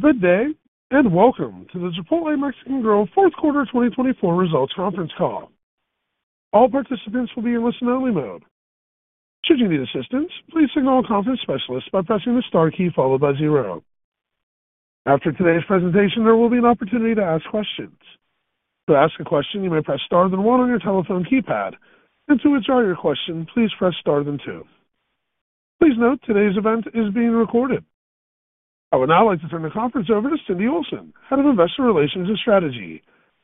Good day and welcome to the Chipotle Mexican Grill fourth quarter 2024 results conference call. All participants will be in listen-only mode. Should you need assistance, please signal a conference specialist by pressing the star key followed by zero. After today's presentation, there will be an opportunity to ask questions. To ask a question, you may press star then one on your telephone keypad. And to withdraw your question, please press star then two. Please note today's event is being recorded. I would now like to turn the conference over to Cindy Olsen, Head of Investor Relations and Strategy.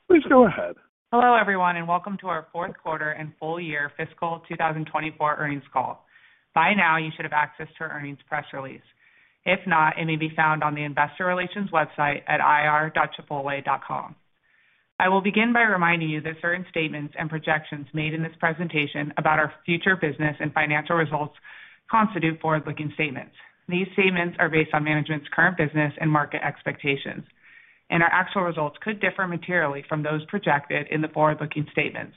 Please go ahead. Hello everyone and welcome to our fourth quarter and full year fiscal 2024 earnings call. By now, you should have access to our earnings press release. If not, it may be found on the investor relations website at ir.chipotle.com. I will begin by reminding you that certain statements and projections made in this presentation about our future business and financial results constitute forward-looking statements. These statements are based on management's current business and market expectations, and our actual results could differ materially from those projected in the forward-looking statements.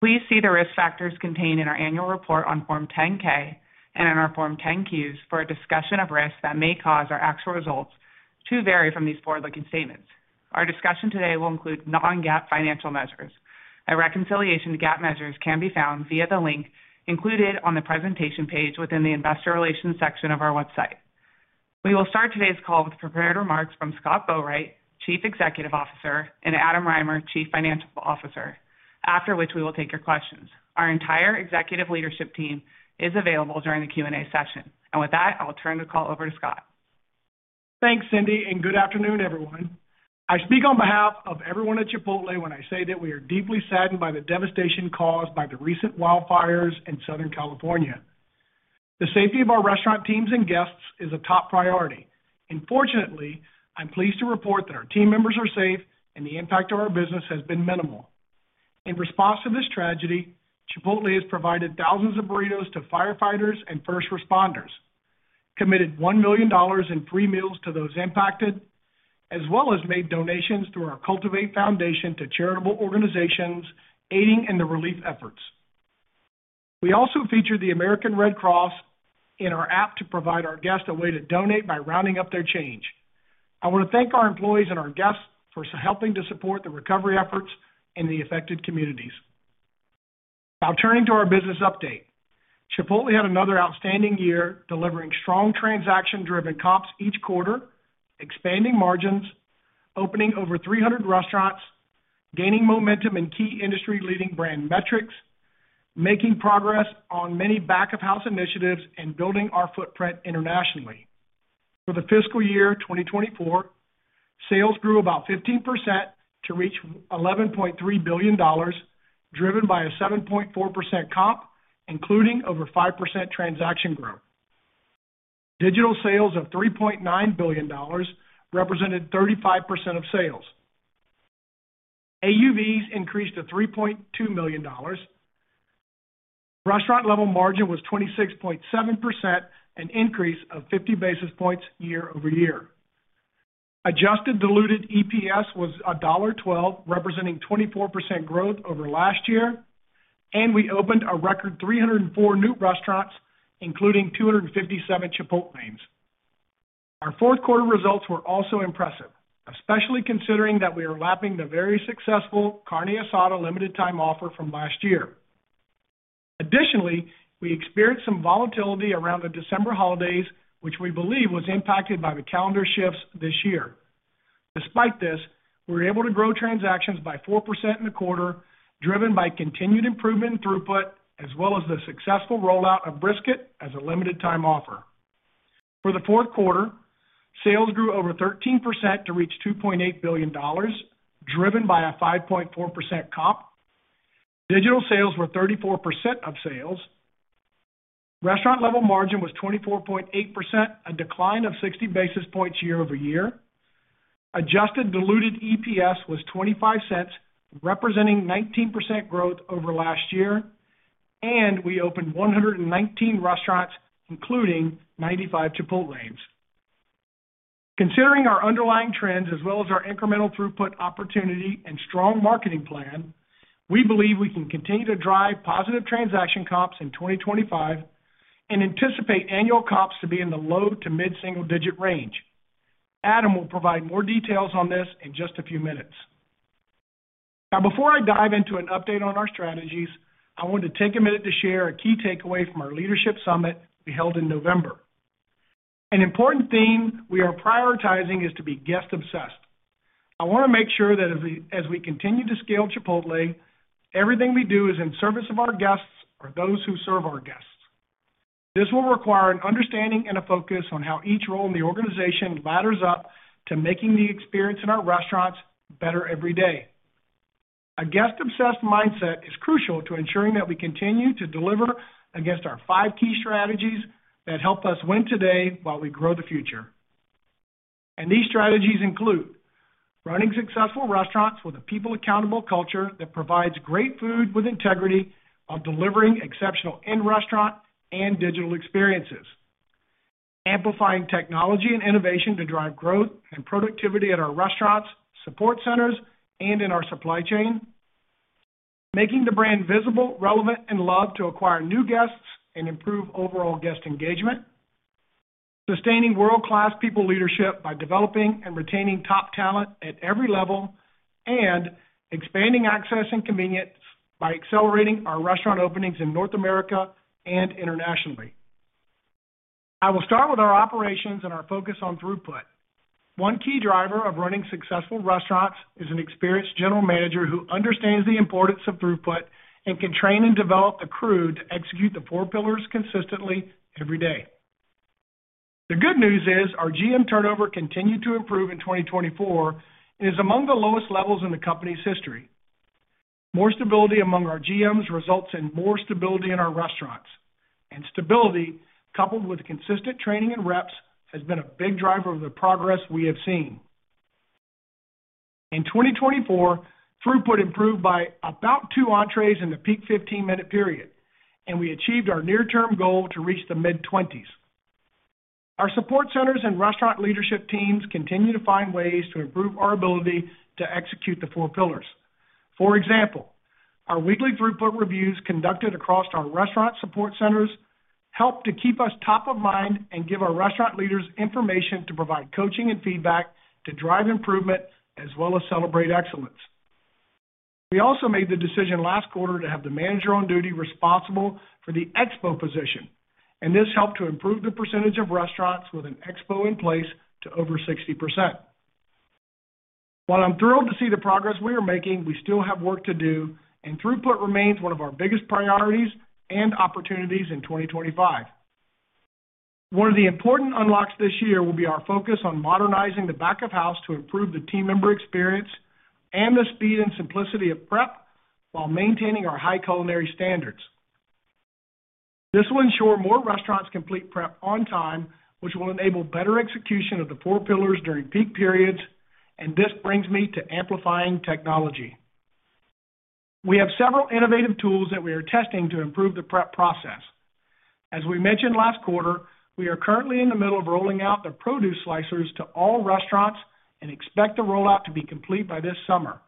Please see the risk factors contained in our annual report on Form 10-K and in our Form 10-Qs for a discussion of risks that may cause our actual results to vary from these forward-looking statements. Our discussion today will include non-GAAP financial measures. A reconciliation to GAAP measures can be found via the link included on the presentation page within the investor relations section of our website. We will start today's call with prepared remarks from Scott Boatwright, Chief Executive Officer, and Adam Rymer, Chief Financial Officer, after which we will take your questions. Our entire executive leadership team is available during the Q&A session. And with that, I'll turn the call over to Scott. Thanks, Cindy, and good afternoon, everyone. I speak on behalf of everyone at Chipotle when I say that we are deeply saddened by the devastation caused by the recent wildfires in Southern California. The safety of our restaurant teams and guests is a top priority. And fortunately, I'm pleased to report that our team members are safe and the impact on our business has been minimal. In response to this tragedy, Chipotle has provided thousands of burritos to firefighters and first responders, committed $1 million in free meals to those impacted, as well as made donations through our Cultivate Foundation to charitable organizations aiding in the relief efforts. We also featured the American Red Cross in our app to provide our guests a way to donate by rounding up their change. I want to thank our employees and our guests for helping to support the recovery efforts in the affected communities. Now turning to our business update, Chipotle had another outstanding year delivering strong transaction-driven comps each quarter, expanding margins, opening over 300 restaurants, gaining momentum in key industry-leading brand metrics, making progress on many back-of-house initiatives, and building our footprint internationally. For the fiscal year 2024, sales grew about 15% to reach $11.3 billion, driven by a 7.4% comp, including over 5% transaction growth. Digital sales of $3.9 billion represented 35% of sales. AUVs increased to $3.2 million. Restaurant-level margin was 26.7%, an increase of 50 basis points year-over-year. Adjusted diluted EPS was $1.12, representing 24% growth over last year, and we opened a record 304 new restaurants, including 257 Chipotlanes. Our fourth quarter results were also impressive, especially considering that we are lapping the very successful Carne Asada limited-time offer from last year. Additionally, we experienced some volatility around the December holidays, which we believe was impacted by the calendar shifts this year. Despite this, we were able to grow transactions by 4% in the quarter, driven by continued improvement in throughput, as well as the successful rollout of brisket as a limited-time offer. For the fourth quarter, sales grew over 13% to reach $2.8 billion, driven by a 5.4% comp. Digital sales were 34% of sales. Restaurant-level margin was 24.8%, a decline of 60 basis points year-over-year. Adjusted diluted EPS was $0.25, representing 19% growth over last year, and we opened 119 restaurants, including 95 Chipotlanes. Considering our underlying trends, as well as our incremental throughput opportunity and strong marketing plan, we believe we can continue to drive positive transaction comps in 2025 and anticipate annual comps to be in the low to mid-single-digit range. Adam will provide more details on this in just a few minutes. Now, before I dive into an update on our strategies, I wanted to take a minute to share a key takeaway from our leadership summit we held in November. An important theme we are prioritizing is to be guest-obsessed. I want to make sure that as we continue to scale Chipotle, everything we do is in service of our guests or those who serve our guests. This will require an understanding and a focus on how each role in the organization ladders up to making the experience in our restaurants better every day. A guest-obsessed mindset is crucial to ensuring that we continue to deliver against our five key strategies that help us win today while we grow the future, and these strategies include running successful restaurants with a people-accountable culture that provides great food with integrity while delivering exceptional in-restaurant and digital experiences, amplifying technology and innovation to drive growth and productivity at our restaurants, support centers, and in our supply chain, making the brand visible, relevant, and loved to acquire new guests and improve overall guest engagement, sustaining world-class people leadership by developing and retaining top talent at every level, and expanding access and convenience by accelerating our restaurant openings in North America and internationally. I will start with our operations and our focus on throughput. One key driver of running successful restaurants is an experienced general manager who understands the importance of throughput and can train and develop a crew to execute the Four Pillars consistently every day. The good news is our GM turnover continued to improve in 2024 and is among the lowest levels in the company's history. More stability among our GMs results in more stability in our restaurants. And stability, coupled with consistent training and reps, has been a big driver of the progress we have seen. In 2024, throughput improved by about two entrees in the peak 15-minute period, and we achieved our near-term goal to reach the mid-20s. Our support centers and restaurant leadership teams continue to find ways to improve our ability to execute the Four Pillars. For example, our weekly throughput reviews conducted across our restaurant support centers helped to keep us top of mind and give our restaurant leaders information to provide coaching and feedback to drive improvement as well as celebrate excellence. We also made the decision last quarter to have the manager on duty responsible for the expo position, and this helped to improve the percentage of restaurants with an expo in place to over 60%. While I'm thrilled to see the progress we are making, we still have work to do, and throughput remains one of our biggest priorities and opportunities in 2025. One of the important unlocks this year will be our focus on modernizing the back-of-house to improve the team member experience and the speed and simplicity of prep while maintaining our high culinary standards. This will ensure more restaurants complete prep on time, which will enable better execution of the Four Pillars during peak periods, and this brings me to amplifying technology. We have several innovative tools that we are testing to improve the prep process. As we mentioned last quarter, we are currently in the middle of rolling out the produce slicers to all restaurants and expect the rollout to be complete by this summer.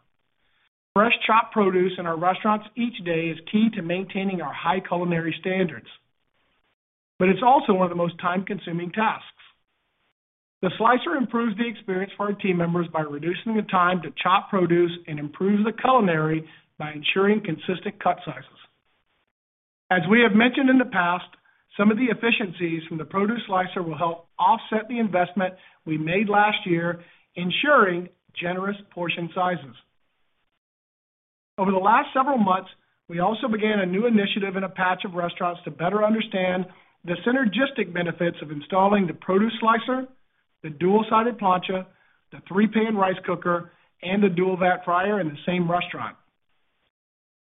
Fresh chopped produce in our restaurants each day is key to maintaining our high culinary standards, but it's also one of the most time-consuming tasks. The slicer improves the experience for our team members by reducing the time to chop produce and improves the culinary by ensuring consistent cut sizes. As we have mentioned in the past, some of the efficiencies from the produce slicer will help offset the investment we made last year, ensuring generous portion sizes. Over the last several months, we also began a new initiative in a batch of restaurants to better understand the synergistic benefits of installing the produce slicer, the dual-sided plancha, the three-pan rice cooker, and the dual-vat fryer in the same restaurant.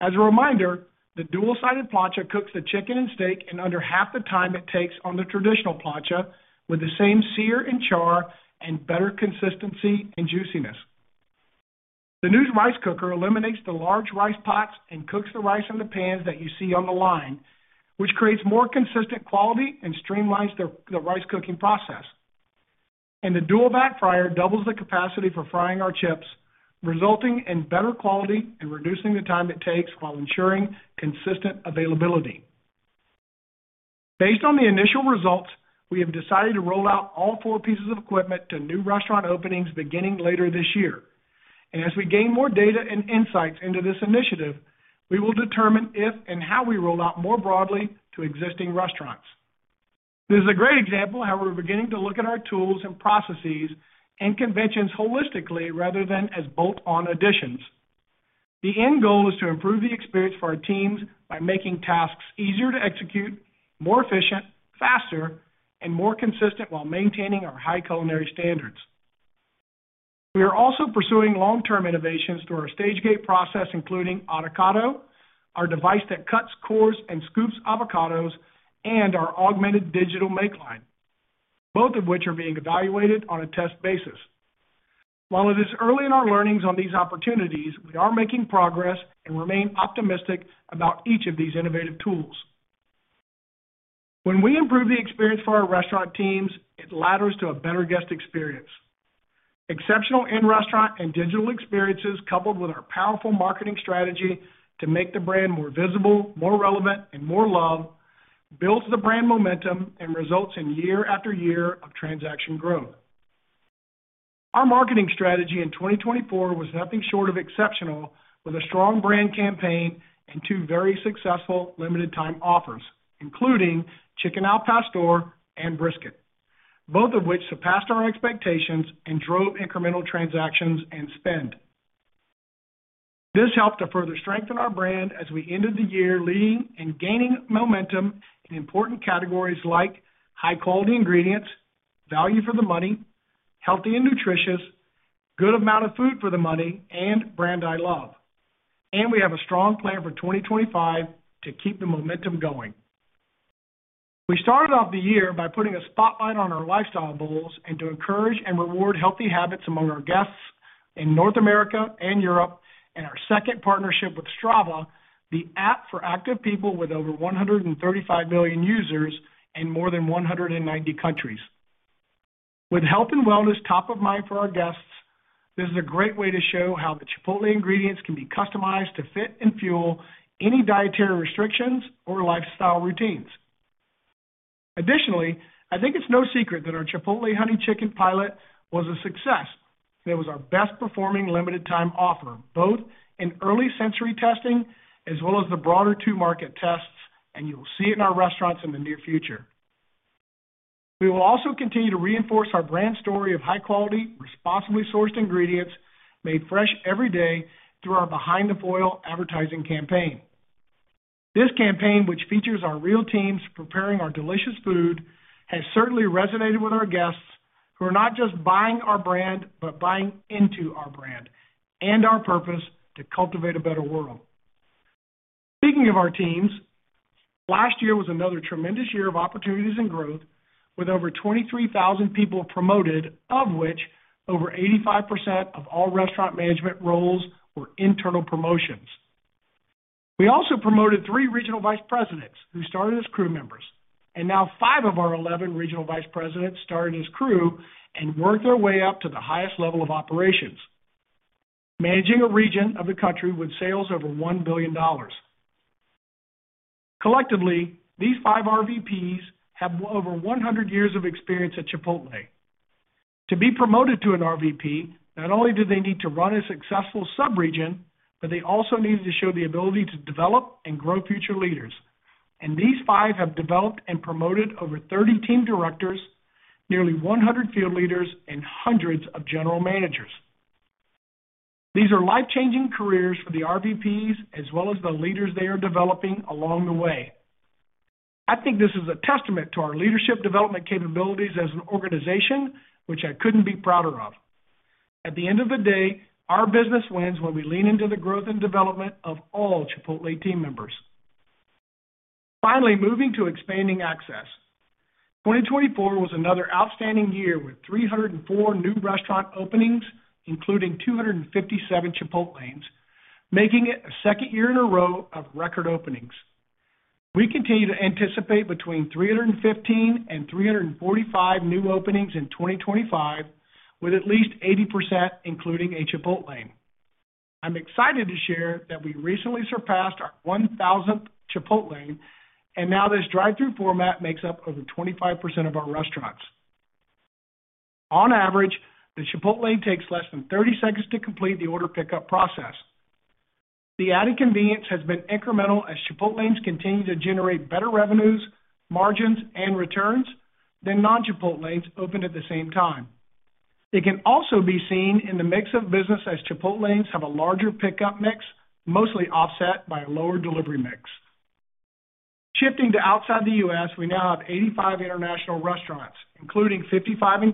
As a reminder, the dual-sided plancha cooks the chicken and steak in under half the time it takes on the traditional plancha, with the same sear and char and better consistency and juiciness. The new rice cooker eliminates the large rice pots and cooks the rice in the pans that you see on the line, which creates more consistent quality and streamlines the rice cooking process. And the dual-vat fryer doubles the capacity for frying our chips, resulting in better quality and reducing the time it takes while ensuring consistent availability. Based on the initial results, we have decided to roll out all four pieces of equipment to new restaurant openings beginning later this year, and as we gain more data and insights into this initiative, we will determine if and how we roll out more broadly to existing restaurants. This is a great example of how we're beginning to look at our tools and processes and conventions holistically rather than as bolt-on additions. The end goal is to improve the experience for our teams by making tasks easier to execute, more efficient, faster, and more consistent while maintaining our high culinary standards. We are also pursuing long-term innovations through our Stage-Gate Process, including Autocado, our device that cuts, cores, and scoops avocados, and our Augmented Digital Makeline, both of which are being evaluated on a test basis. While it is early in our learnings on these opportunities, we are making progress and remain optimistic about each of these innovative tools. When we improve the experience for our restaurant teams, it ladders to a better guest experience. Exceptional in-restaurant and digital experiences, coupled with our powerful marketing strategy to make the brand more visible, more relevant, and more loved, builds the brand momentum and results in year after year of transaction growth. Our marketing strategy in 2024 was nothing short of exceptional, with a strong brand campaign and two very successful limited-time offers, including Chicken Al Pastor and Brisket, both of which surpassed our expectations and drove incremental transactions and spend. This helped to further strengthen our brand as we ended the year leading and gaining momentum in important categories like high-quality ingredients, value for the money, healthy and nutritious, good amount of food for the money, and brand I love, and we have a strong plan for 2025 to keep the momentum going. We started off the year by putting a spotlight on our Lifestyle Bowls and to encourage and reward healthy habits among our guests in North America and Europe, and our second partnership with Strava, the app for active people with over 135 million users in more than 190 countries. With health and wellness top of mind for our guests, this is a great way to show how the Chipotle ingredients can be customized to fit and fuel any dietary restrictions or lifestyle routines. Additionally, I think it's no secret that our Chipotle Honey Chicken pilot was a success. It was our best-performing limited-time offer, both in early sensory testing as well as the broader two-market tests, and you'll see it in our restaurants in the near future. We will also continue to reinforce our brand story of high-quality, responsibly sourced ingredients made fresh every day through our Behind the Foil advertising campaign. This campaign, which features our real teams preparing our delicious food, has certainly resonated with our guests who are not just buying our brand, but buying into our brand and our purpose to cultivate a better world. Speaking of our teams, last year was another tremendous year of opportunities and growth, with over 23,000 people promoted, of which over 85% of all restaurant management roles were internal promotions. We also promoted three regional vice presidents who started as crew members, and now five of our 11 regional vice presidents started as crew and worked their way up to the highest level of operations, managing a region of the country with sales over $1 billion. Collectively, these five RVPs have over 100 years of experience at Chipotle. To be promoted to an RVP, not only did they need to run a successful subregion, but they also needed to show the ability to develop and grow future leaders. These five have developed and promoted over 30 team directors, nearly 100 field leaders, and hundreds of general managers. These are life-changing careers for the RVPs as well as the leaders they are developing along the way. I think this is a testament to our leadership development capabilities as an organization, which I couldn't be prouder of. At the end of the day, our business wins when we lean into the growth and development of all Chipotle team members. Finally, moving to expanding access. 2024 was another outstanding year with 304 new restaurant openings, including 257 Chipotlanes, making it a second year in a row of record openings. We continue to anticipate between 315 and 345 new openings in 2025, with at least 80% including a Chipotlane. I'm excited to share that we recently surpassed our 1,000th Chipotlane, and now this drive-through format makes up over 25% of our restaurants. On average, the Chipotlane takes less than 30 seconds to complete the order pickup process. The added convenience has been incremental as Chipotlanes continue to generate better revenues, margins, and returns than non-Chipotlanes opened at the same time. It can also be seen in the mix of business as Chipotlanes have a larger pickup mix, mostly offset by a lower delivery mix. Shifting to outside the U.S., we now have 85 international restaurants, including 55 in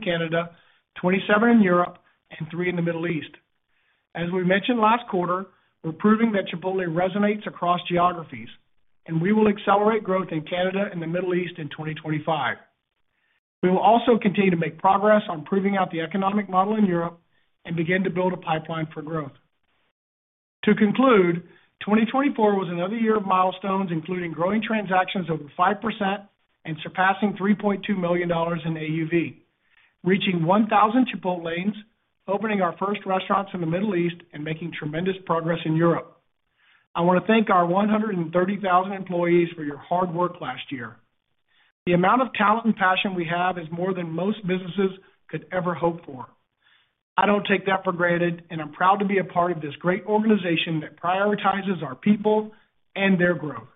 Canada, 27 in Europe, and 3 in the Middle East. As we mentioned last quarter, we're proving that Chipotle resonates across geographies, and we will accelerate growth in Canada and the Middle East in 2025. We will also continue to make progress on proving out the economic model in Europe and begin to build a pipeline for growth. To conclude, 2024 was another year of milestones, including growing transactions over 5% and surpassing $3.2 million in AUV, reaching 1,000 Chipotlanes, opening our first restaurants in the Middle East, and making tremendous progress in Europe. I want to thank our 130,000 employees for your hard work last year. The amount of talent and passion we have is more than most businesses could ever hope for. I don't take that for granted, and I'm proud to be a part of this great organization that prioritizes our people and their growth.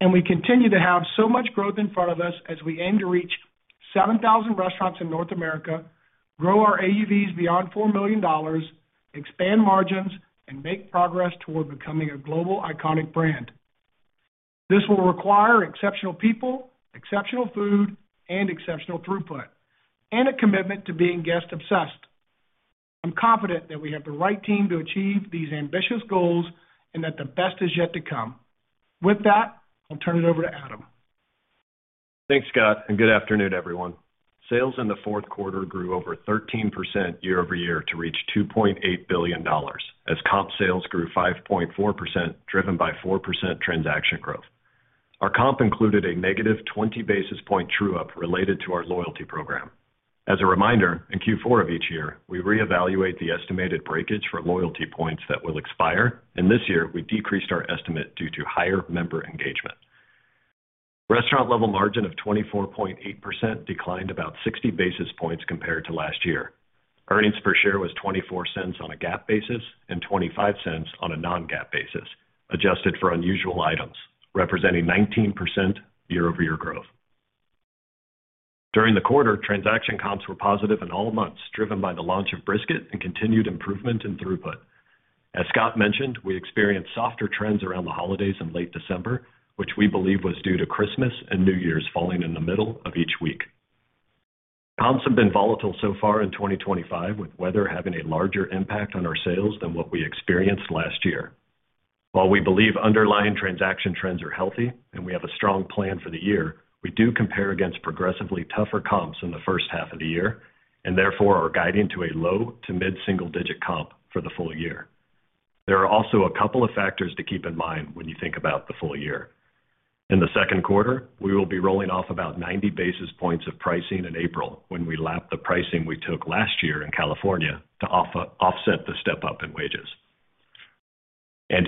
And we continue to have so much growth in front of us as we aim to reach 7,000 restaurants in North America, grow our AUVs beyond $4 million, expand margins, and make progress toward becoming a global iconic brand. This will require exceptional people, exceptional food, and exceptional throughput, and a commitment to being guest-obsessed. I'm confident that we have the right team to achieve these ambitious goals and that the best is yet to come. With that, I'll turn it over to Adam. Thanks, Scott, and good afternoon, everyone. Sales in the fourth quarter grew over 13% year-over-year to reach $2.8 billion, as comp sales grew 5.4%, driven by 4% transaction growth. Our comp included a -20 basis point true-up related to our loyalty program. As a reminder, in Q4 of each year, we reevaluate the estimated breakage for loyalty points that will expire, and this year we decreased our estimate due to higher member engagement. Restaurant-level margin of 24.8% declined about 60 basis points compared to last year. Earnings per share was $0.24 on a GAAP basis and $0.25 on a non-GAAP basis, adjusted for unusual items, representing 19% year-over-year growth. During the quarter, transaction comps were positive in all months, driven by the launch of Brisket and continued improvement in throughput. As Scott mentioned, we experienced softer trends around the holidays in late December, which we believe was due to Christmas and New Year's falling in the middle of each week. Comps have been volatile so far in 2025, with weather having a larger impact on our sales than what we experienced last year. While we believe underlying transaction trends are healthy and we have a strong plan for the year, we do compare against progressively tougher comps in the first half of the year, and therefore are guiding to a low to mid-single-digit comp for the full year. There are also a couple of factors to keep in mind when you think about the full year. In the second quarter, we will be rolling off about 90 basis points of pricing in April when we lap the pricing we took last year in California to offset the step-up in wages.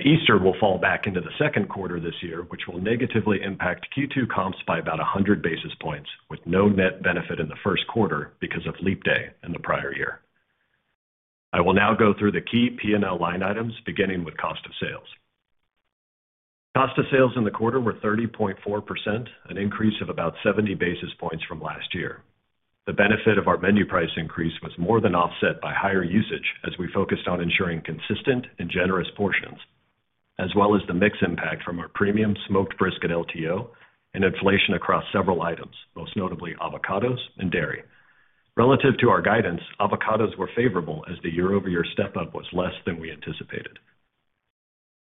Easter will fall back into the second quarter this year, which will negatively impact Q2 comps by about 100 basis points, with no net benefit in the first quarter because of leap day in the prior year. I will now go through the key P&L line items, beginning with cost of sales. Cost of sales in the quarter were 30.4%, an increase of about 70 basis points from last year. The benefit of our menu price increase was more than offset by higher usage as we focused on ensuring consistent and generous portions, as well as the mix impact from our premium Smoked Brisket LTO and inflation across several items, most notably avocados and dairy. Relative to our guidance, avocados were favorable as the year-over-year step-up was less than we anticipated.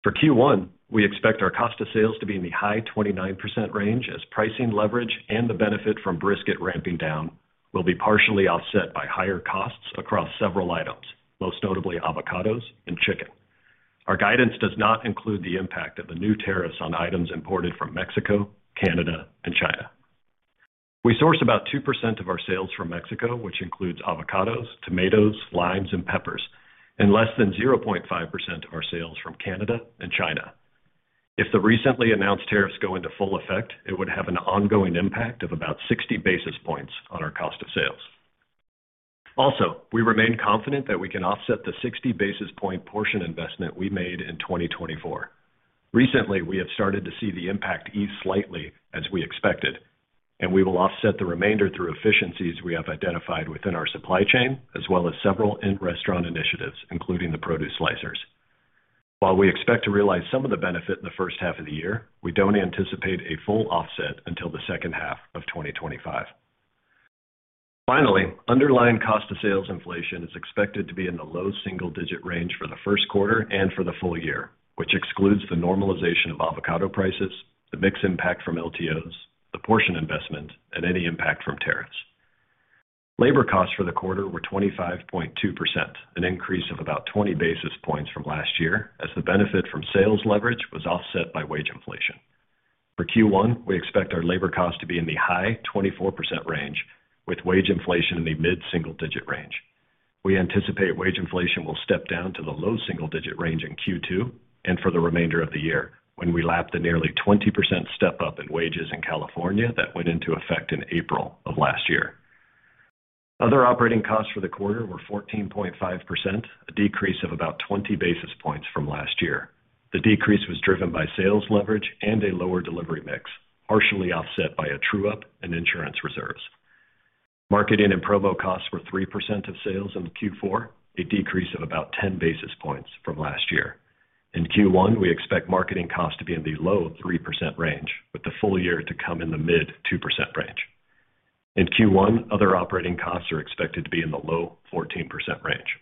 For Q1, we expect our cost of sales to be in the high 29% range as pricing leverage and the benefit from brisket ramping down will be partially offset by higher costs across several items, most notably avocados and chicken. Our guidance does not include the impact of the new tariffs on items imported from Mexico, Canada, and China. We source about 2% of our sales from Mexico, which includes avocados, tomatoes, limes, and peppers, and less than 0.5% of our sales from Canada and China. If the recently announced tariffs go into full effect, it would have an ongoing impact of about 60 basis points on our cost of sales. Also, we remain confident that we can offset the 60 basis point portion investment we made in 2024. Recently, we have started to see the impact ease slightly, as we expected, and we will offset the remainder through efficiencies we have identified within our supply chain, as well as several in-restaurant initiatives, including the produce slicers. While we expect to realize some of the benefit in the first half of the year, we don't anticipate a full offset until the second half of 2025. Finally, underlying cost of sales inflation is expected to be in the low single-digit range for the first quarter and for the full year, which excludes the normalization of avocado prices, the mix impact from LTOs, the portion investment, and any impact from tariffs. Labor costs for the quarter were 25.2%, an increase of about 20 basis points from last year, as the benefit from sales leverage was offset by wage inflation. For Q1, we expect our labor costs to be in the high 24% range, with wage inflation in the mid-single-digit range. We anticipate wage inflation will step down to the low single-digit range in Q2 and for the remainder of the year when we lap the nearly 20% step-up in wages in California that went into effect in April of last year. Other operating costs for the quarter were 14.5%, a decrease of about 20 basis points from last year. The decrease was driven by sales leverage and a lower delivery mix, partially offset by a true-up and insurance reserves. Marketing and promo costs were 3% of sales in Q4, a decrease of about 10 basis points from last year. In Q1, we expect marketing costs to be in the low 3% range, with the full year to come in the mid-2% range. In Q1, other operating costs are expected to be in the low 14% range.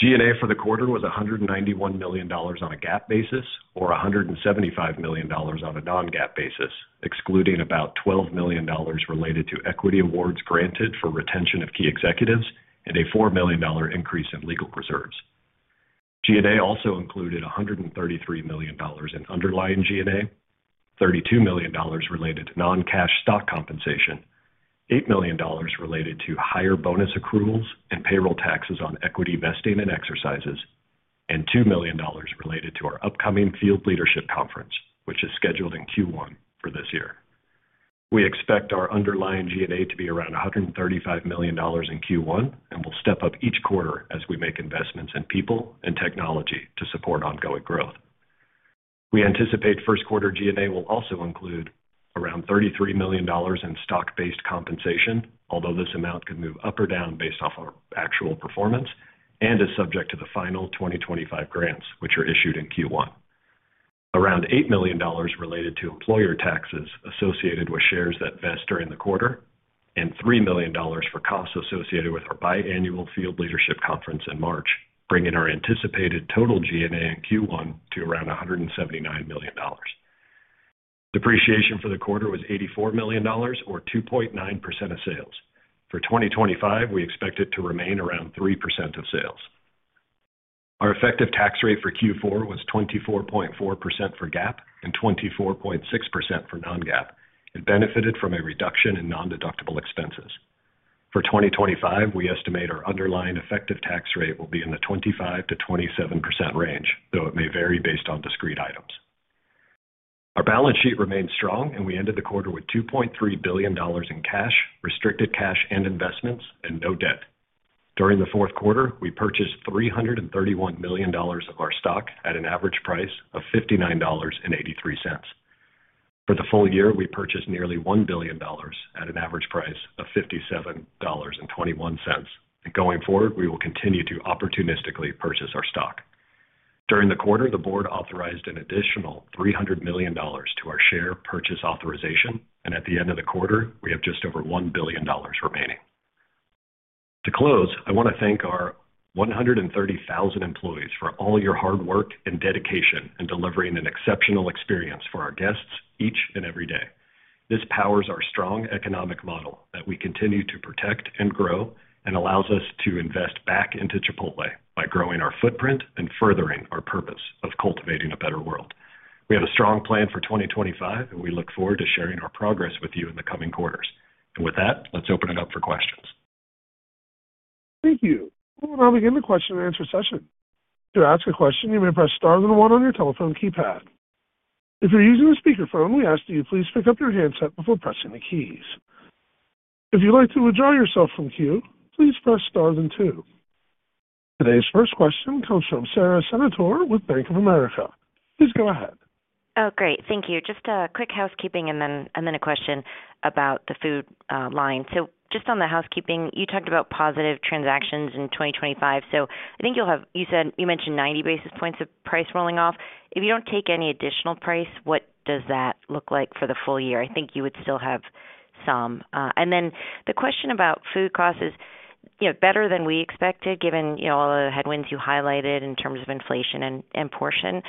G&A for the quarter was $191 million on a GAAP basis or $175 million on a non-GAAP basis, excluding about $12 million related to equity awards granted for retention of key executives and a $4 million increase in legal reserves. G&A also included $133 million in underlying G&A, $32 million related to non-cash stock compensation, $8 million related to higher bonus accruals and payroll taxes on equity vesting and exercises, and $2 million related to our upcoming field leadership conference, which is scheduled in Q1 for this year. We expect our underlying G&A to be around $135 million in Q1 and will step up each quarter as we make investments in people and technology to support ongoing growth. We anticipate first-quarter G&A will also include around $33 million in stock-based compensation, although this amount can move up or down based off of actual performance and is subject to the final 2025 grants, which are issued in Q1. Around $8 million related to employer taxes associated with shares that vest during the quarter and $3 million for costs associated with our biannual field leadership conference in March, bringing our anticipated total G&A in Q1 to around $179 million. Depreciation for the quarter was $84 million or 2.9% of sales. For 2025, we expect it to remain around 3% of sales. Our effective tax rate for Q4 was 24.4% for GAAP and 24.6% for non-GAAP and benefited from a reduction in non-deductible expenses. For 2025, we estimate our underlying effective tax rate will be in the 25 to 27% range, though it may vary based on discrete items. Our balance sheet remained strong, and we ended the quarter with $2.3 billion in cash, restricted cash and investments, and no debt. During the fourth quarter, we purchased $331 million of our stock at an average price of $59.83. For the full year, we purchased nearly $1 billion at an average price of $57.21, and going forward, we will continue to opportunistically purchase our stock. During the quarter, the board authorized an additional $300 million to our share purchase authorization, and at the end of the quarter, we have just over $1 billion remaining. To close, I want to thank our 130,000 employees for all your hard work and dedication in delivering an exceptional experience for our guests each and every day. This powers our strong economic model that we continue to protect and grow and allows us to invest back into Chipotle by growing our footprint and furthering our purpose of cultivating a better world. We have a strong plan for 2025, and we look forward to sharing our progress with you in the coming quarters. And with that, let's open it up for questions. Thank you. We'll now begin the question and answer session. To ask a question, you may press star and one on your telephone keypad. If you're using a speakerphone, we ask that you please pick up your handset before pressing the keys. If you'd like to withdraw yourself from queue, please press star and two. Today's first question comes from Sara Senatore with Bank of America. Please go ahead. Oh, great. Thank you. Just a quick housekeeping and then a question about the food line. So just on the housekeeping, you talked about positive transactions in 2025. So I think you mentioned 90 basis points of price rolling off. If you don't take any additional price, what does that look like for the full year? I think you would still have some. And then the question about food costs is better than we expected, given all the headwinds you highlighted in terms of inflation and portion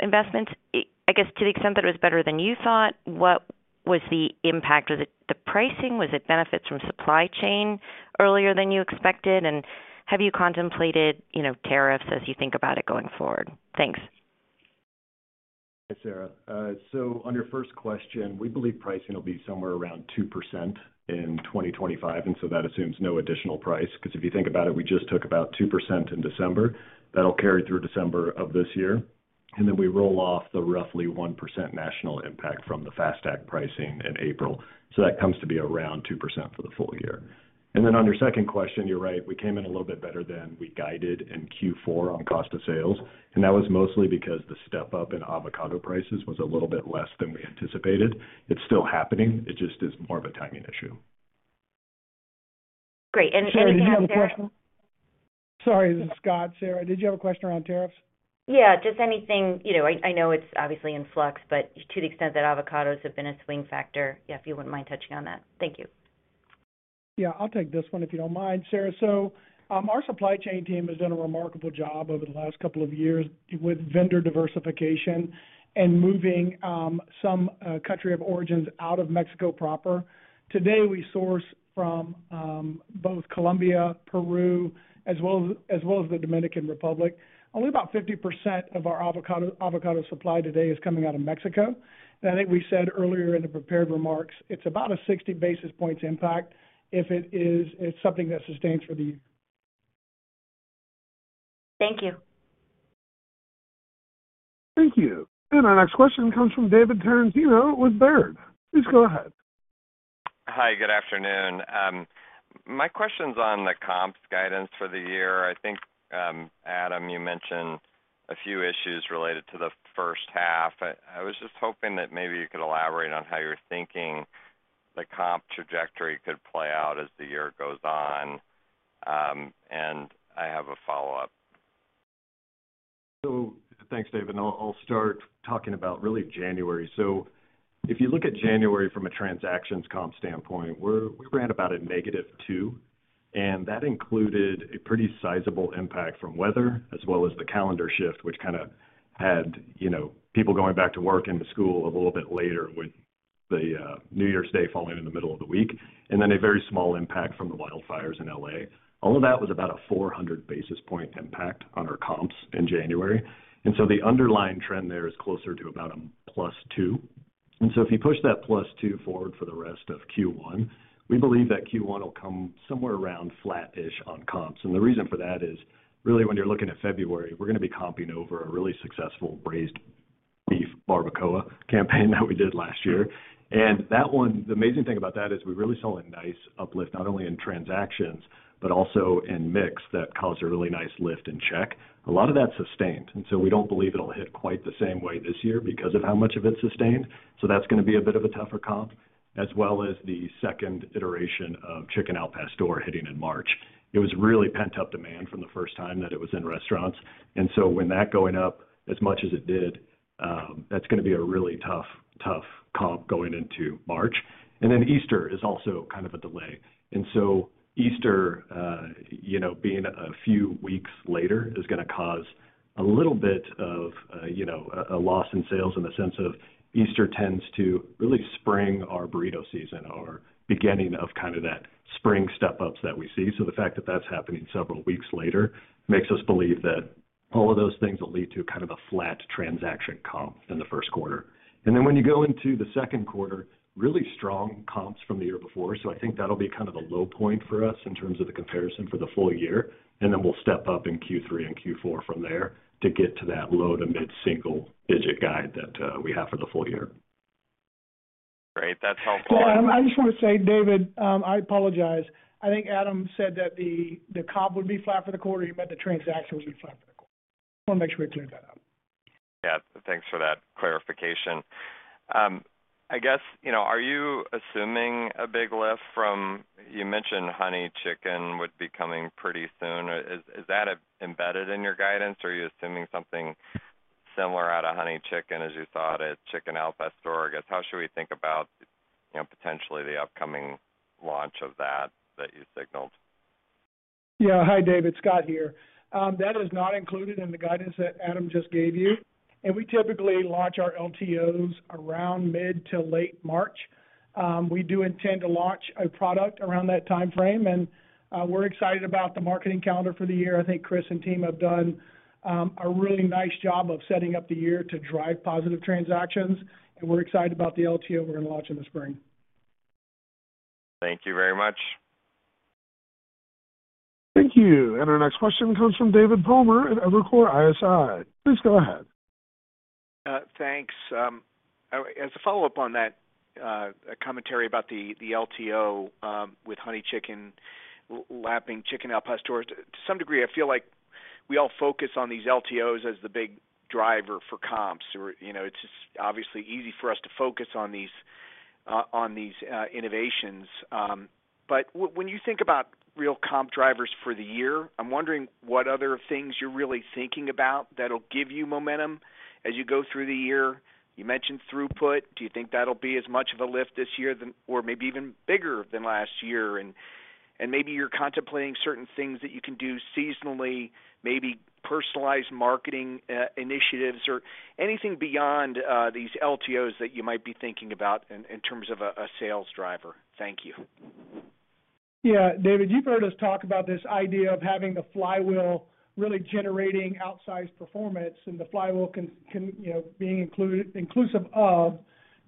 investments. I guess to the extent that it was better than you thought, what was the impact? Was it the pricing? Was it benefits from supply chain earlier than you expected? And have you contemplated tariffs as you think about it going forward? Thanks. Thanks, Sara. So on your first question, we believe pricing will be somewhere around 2% in 2025, and so that assumes no additional price. Because if you think about it, we just took about 2% in December. That'll carry through December of this year. And then we roll off the roughly 1% national impact from the FAST Act pricing in April. So that comes to be around 2% for the full year. And then on your second question, you're right, we came in a little bit better than we guided in Q4 on cost of sales. And that was mostly because the step-up in avocado prices was a little bit less than we anticipated. It's still happening. It just is more of a timing issue. Great. And. Did you have a question? Sorry, this is Scott. Sara, did you have a question around tariffs? Yeah, just anything. I know it's obviously in flux, but to the extent that avocados have been a swing factor, yeah, if you wouldn't mind touching on that. Thank you. Yeah, I'll take this one if you don't mind, Sara. So our supply chain team has done a remarkable job over the last couple of years with vendor diversification and moving some country of origins out of Mexico proper. Today, we source from both Colombia, Peru, as well as the Dominican Republic. Only about 50% of our avocado supply today is coming out of Mexico. And I think we said earlier in the prepared remarks, it's about a 60 basis points impact if it is something that sustains for the year. Thank you. Thank you. And our next question comes from David Tarantino with Baird. Please go ahead. Hi, good afternoon. My question's on the comps guidance for the year. I think, Adam, you mentioned a few issues related to the first half. I was just hoping that maybe you could elaborate on how you're thinking the comp trajectory could play out as the year goes on. And I have a follow-up. So thanks, David. I'll start talking about really January. So if you look at January from a transactions comp standpoint, we ran about a negative two. And that included a pretty sizable impact from weather, as well as the calendar shift, which kind of had people going back to work and to school a little bit later with New Year's Day falling in the middle of the week, and then a very small impact from the wildfires in LA. All of that was about a 400 basis point impact on our comps in January. And so the underlying trend there is closer to about a plus two. And so if you push that plus two forward for the rest of Q1, we believe that Q1 will come somewhere around flat-ish on comps. And the reason for that is really when you're looking at February, we're going to be comping over a really successful Braised Beef Barbacoa campaign that we did last year. And the amazing thing about that is we really saw a nice uplift, not only in transactions, but also in mix that caused a really nice lift in check. A lot of that sustained. And so we don't believe it'll hit quite the same way this year because of how much of it sustained. So that's going to be a bit of a tougher comp, as well as the second iteration of Chicken Al Pastor hitting in March. It was really pent-up demand from the first time that it was in restaurants. And so when that going up as much as it did, that's going to be a really tough, tough comp going into March. And then Easter is also kind of a delay. And so Easter being a few weeks later is going to cause a little bit of a loss in sales in the sense of Easter tends to really spring our burrito season or beginning of kind of that spring step-ups that we see. So the fact that that's happening several weeks later makes us believe that all of those things will lead to kind of a flat transaction comp in the first quarter. And then when you go into the second quarter, really strong comps from the year before. So I think that'll be kind of a low point for us in terms of the comparison for the full year. And then we'll step up in Q3 and Q4 from there to get to that low to mid-single digit guide that we have for the full year. Great. That's helpful. Yeah, I just want to say, David, I apologize. I think Adam said that the comp would be flat for the quarter. He meant the transaction would be flat for the quarter. I just want to make sure we cleared that up. Yeah, thanks for that clarification. I guess, are you assuming a big lift from, you mentioned, Honey Chicken would be coming pretty soon. Is that embedded in your guidance, or are you assuming something similar out of Honey Chicken as you thought at Chicken Al Pastor? I guess, how should we think about potentially the upcoming launch of that you signaled? Yeah. Hi, David. Scott here. That is not included in the guidance that Adam just gave you. And we typically launch our LTOs around mid to late March. We do intend to launch a product around that timeframe. And we're excited about the marketing calendar for the year. I think Chris and team have done a really nice job of setting up the year to drive positive transactions. And we're excited about the LTO we're going to launch in the spring. Thank you very much. Thank you. And our next question comes from David Palmer at Evercore ISI. Please go ahead. Thanks. As a follow-up on that commentary about the LTO with Honey Chicken lapping Chicken Al Pastor, to some degree, I feel like we all focus on these LTOs as the big driver for comps. It's just obviously easy for us to focus on these innovations. But when you think about real comp drivers for the year, I'm wondering what other things you're really thinking about that'll give you momentum as you go through the year. You mentioned throughput. Do you think that'll be as much of a lift this year or maybe even bigger than last year? And maybe you're contemplating certain things that you can do seasonally, maybe personalized marketing initiatives or anything beyond these LTOs that you might be thinking about in terms of a sales driver. Thank you. Yeah. David, you've heard us talk about this idea of having the flywheel really generating outsized performance and the flywheel being inclusive of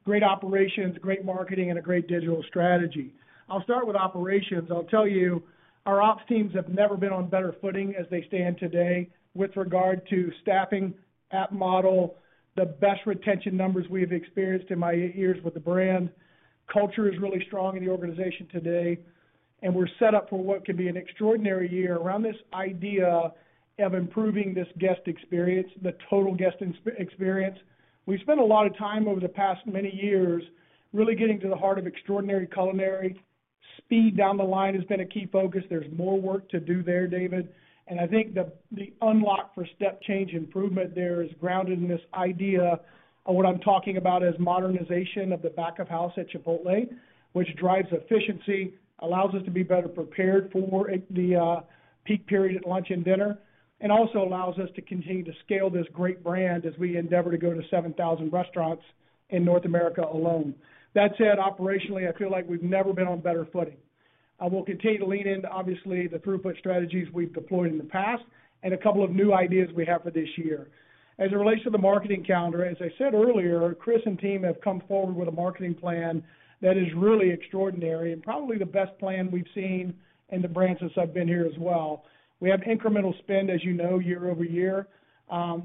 great operations, great marketing, and a great digital strategy. I'll start with operations. I'll tell you our ops teams have never been on better footing as they stand today with regard to staffing, labor model, the best retention numbers we've experienced in my eight years with the brand. Culture is really strong in the organization today, and we're set up for what can be an extraordinary year around this idea of improving this guest experience, the total guest experience. We've spent a lot of time over the past many years really getting to the heart of extraordinary culinary. Speed down the line has been a key focus. There's more work to do there, David. I think the unlock for step change improvement there is grounded in this idea of what I'm talking about as modernization of the back of house at Chipotle, which drives efficiency, allows us to be better prepared for the peak period at lunch and dinner, and also allows us to continue to scale this great brand as we endeavor to go to 7,000 restaurants in North America alone. That said, operationally, I feel like we've never been on better footing. We'll continue to lean into, obviously, the throughput strategies we've deployed in the past and a couple of new ideas we have for this year. As it relates to the marketing calendar, as I said earlier, Chris and team have come forward with a marketing plan that is really extraordinary and probably the best plan we've seen in the tenure I've been here as well. We have incremental spend, as you know, year-over-year.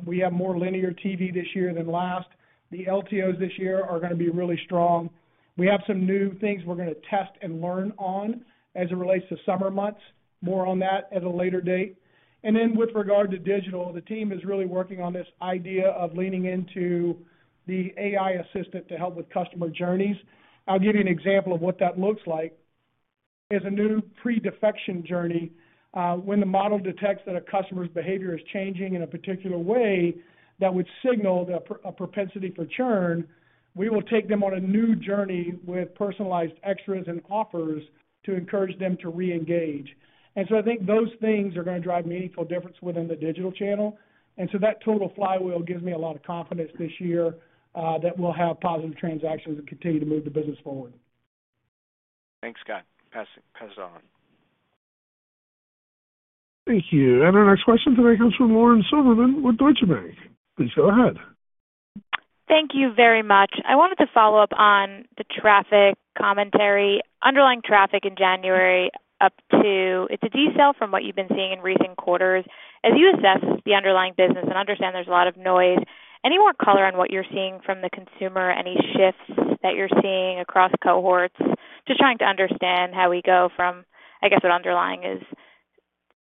We have more linear TV this year than last. The LTOs this year are going to be really strong. We have some new things we're going to test and learn on as it relates to summer months. More on that at a later date. And then with regard to digital, the team is really working on this idea of leaning into the AI assistant to help with customer journeys. I'll give you an example of what that looks like. As a new pre-defection journey, when the model detects that a customer's behavior is changing in a particular way that would signal a propensity for churn, we will take them on a new journey with personalized extras and offers to encourage them to reengage. And so I think those things are going to drive meaningful difference within the digital channel. And so that total flywheel gives me a lot of confidence this year that we'll have positive transactions and continue to move the business forward. Thanks, Scott. Pass it on. Thank you. Our next question today comes from Lauren Silberman with Deutsche Bank. Please go ahead. Thank you very much. I wanted to follow up on the traffic commentary. Underlying traffic in January up to. It's a detail from what you've been seeing in recent quarters. As you assess the underlying business and understand there's a lot of noise, any more color on what you're seeing from the consumer, any shifts that you're seeing across cohorts? Just trying to understand how we go from, I guess, what underlying is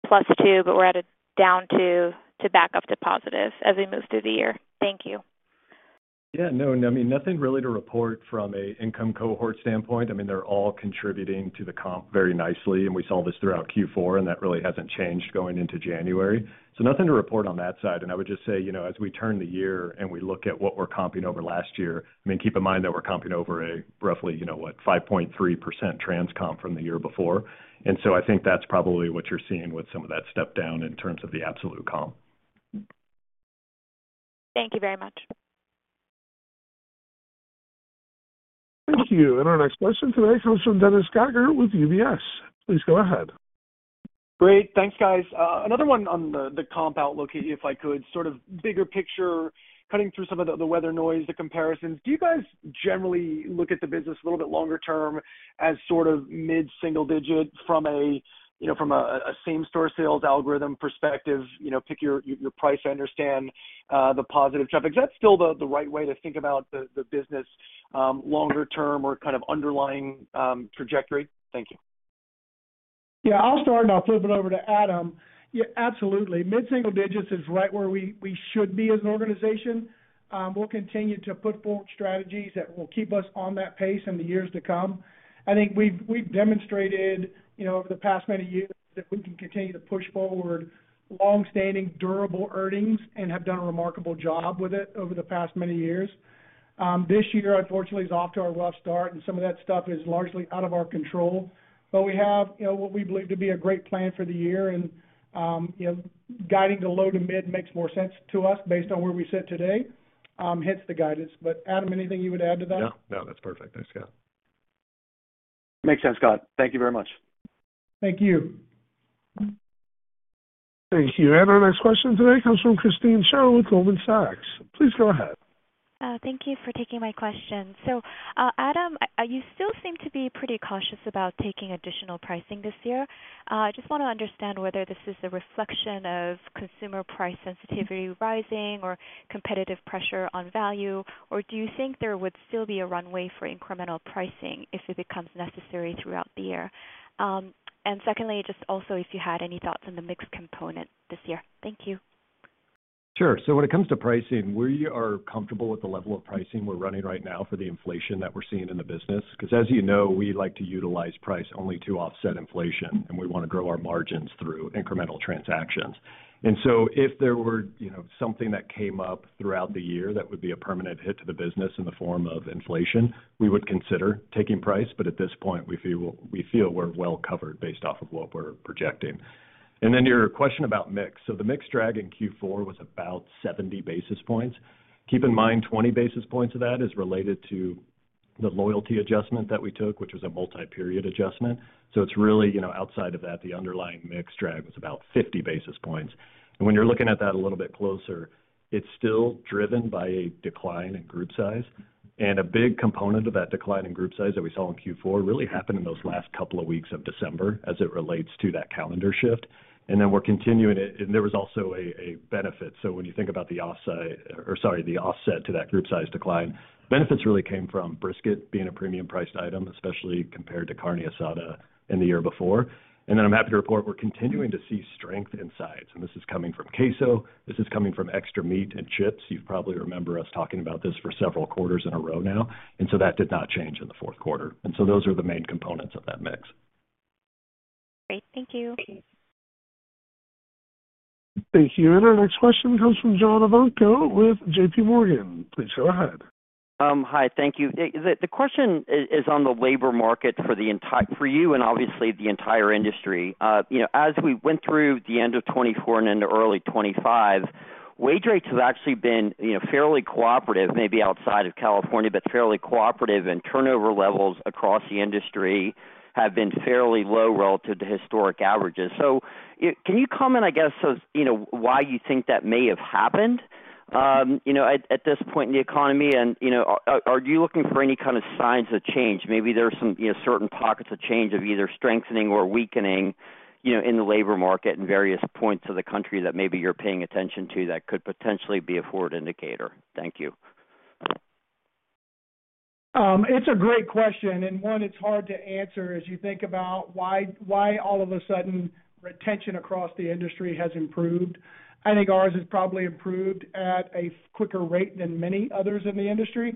plus two, but we're at a down two to back up to positive as we move through the year. Thank you. Yeah. No, I mean, nothing really to report from an income cohort standpoint. I mean, they're all contributing to the comp very nicely. And we saw this throughout Q4, and that really hasn't changed going into January. So nothing to report on that side. And I would just say, as we turn the year and we look at what we're comping over last year, I mean, keep in mind that we're comping over a roughly, what, 5.3% trans comp from the year before. And so I think that's probably what you're seeing with some of that step down in terms of the absolute comp. Thank you very much. Thank you. And our next question today comes from Dennis Geiger with UBS. Please go ahead. Great. Thanks, guys. Another one on the comp outlook, if I could, sort of bigger picture, cutting through some of the weather noise, the comparisons. Do you guys generally look at the business a little bit longer term as sort of mid-single digits from a same-store sales and traffic perspective, mix, price, I understand, the positive traffic? Is that still the right way to think about the business longer term or kind of underlying trajectory? Thank you. Yeah. I'll start and I'll flip it over to Adam. Yeah, absolutely. Mid-single digits is right where we should be as an organization. We'll continue to put forward strategies that will keep us on that pace in the years to come. I think we've demonstrated over the past many years that we can continue to push forward long-standing, durable earnings and have done a remarkable job with it over the past many years. This year, unfortunately, is off to a rough start, and some of that stuff is largely out of our control. But we have what we believe to be a great plan for the year. And guiding to low to mid makes more sense to us based on where we sit today, hits the guidance. But Adam, anything you would add to that? No, no. That's perfect. Thanks, Scott. Makes sense, Scott. Thank you very much. Thank you. Thank you. And our next question today comes from Christine Cho with Goldman Sachs. Please go ahead. Thank you for taking my question. So, Adam, you still seem to be pretty cautious about taking additional pricing this year. I just want to understand whether this is a reflection of consumer price sensitivity rising or competitive pressure on value, or do you think there would still be a runway for incremental pricing if it becomes necessary throughout the year? And secondly, just also if you had any thoughts on the mix component this year. Thank you. Sure. So when it comes to pricing, we are comfortable with the level of pricing we're running right now for the inflation that we're seeing in the business. Because as you know, we like to utilize price only to offset inflation, and we want to grow our margins through incremental transactions. And so if there were something that came up throughout the year that would be a permanent hit to the business in the form of inflation, we would consider taking price. But at this point, we feel we're well covered based off of what we're projecting. And then your question about mix. So the mix drag in Q4 was about 70 basis points. Keep in mind, 20 basis points of that is related to the loyalty adjustment that we took, which was a multi-period adjustment. So it's really outside of that, the underlying mix drag was about 50 basis points. And when you're looking at that a little bit closer, it's still driven by a decline in group size. And a big component of that decline in group size that we saw in Q4 really happened in those last couple of weeks of December as it relates to that calendar shift. And then we're continuing it. And there was also a benefit. So when you think about the offset or sorry, the offset to that group size decline, benefits really came from Brisket being a premium priced item, especially compared to Carne Asada in the year before. And then I'm happy to report we're continuing to see strength in sides. And this is coming from Queso. This is coming from extra meat and chips. You probably remember us talking about this for several quarters in a row now. And so that did not change in the fourth quarter. And so those are the main components of that mix. Great. Thank you. Thank you. And our next question comes from John Ivankoe with JPMorgan. Please go ahead. Hi. Thank you. The question is on the labor market for you and obviously the entire industry. As we went through the end of 2024 and into early 2025, wage rates have actually been fairly cooperative, maybe outside of California, but fairly cooperative, and turnover levels across the industry have been fairly low relative to historic averages. So can you comment, I guess, why you think that may have happened at this point in the economy? And are you looking for any kind of signs of change? Maybe there are some certain pockets of change of either strengthening or weakening in the labor market in various points of the country that maybe you're paying attention to that could potentially be a forward indicator. Thank you. It's a great question, and one, it's hard to answer as you think about why all of a sudden retention across the industry has improved. I think ours has probably improved at a quicker rate than many others in the industry,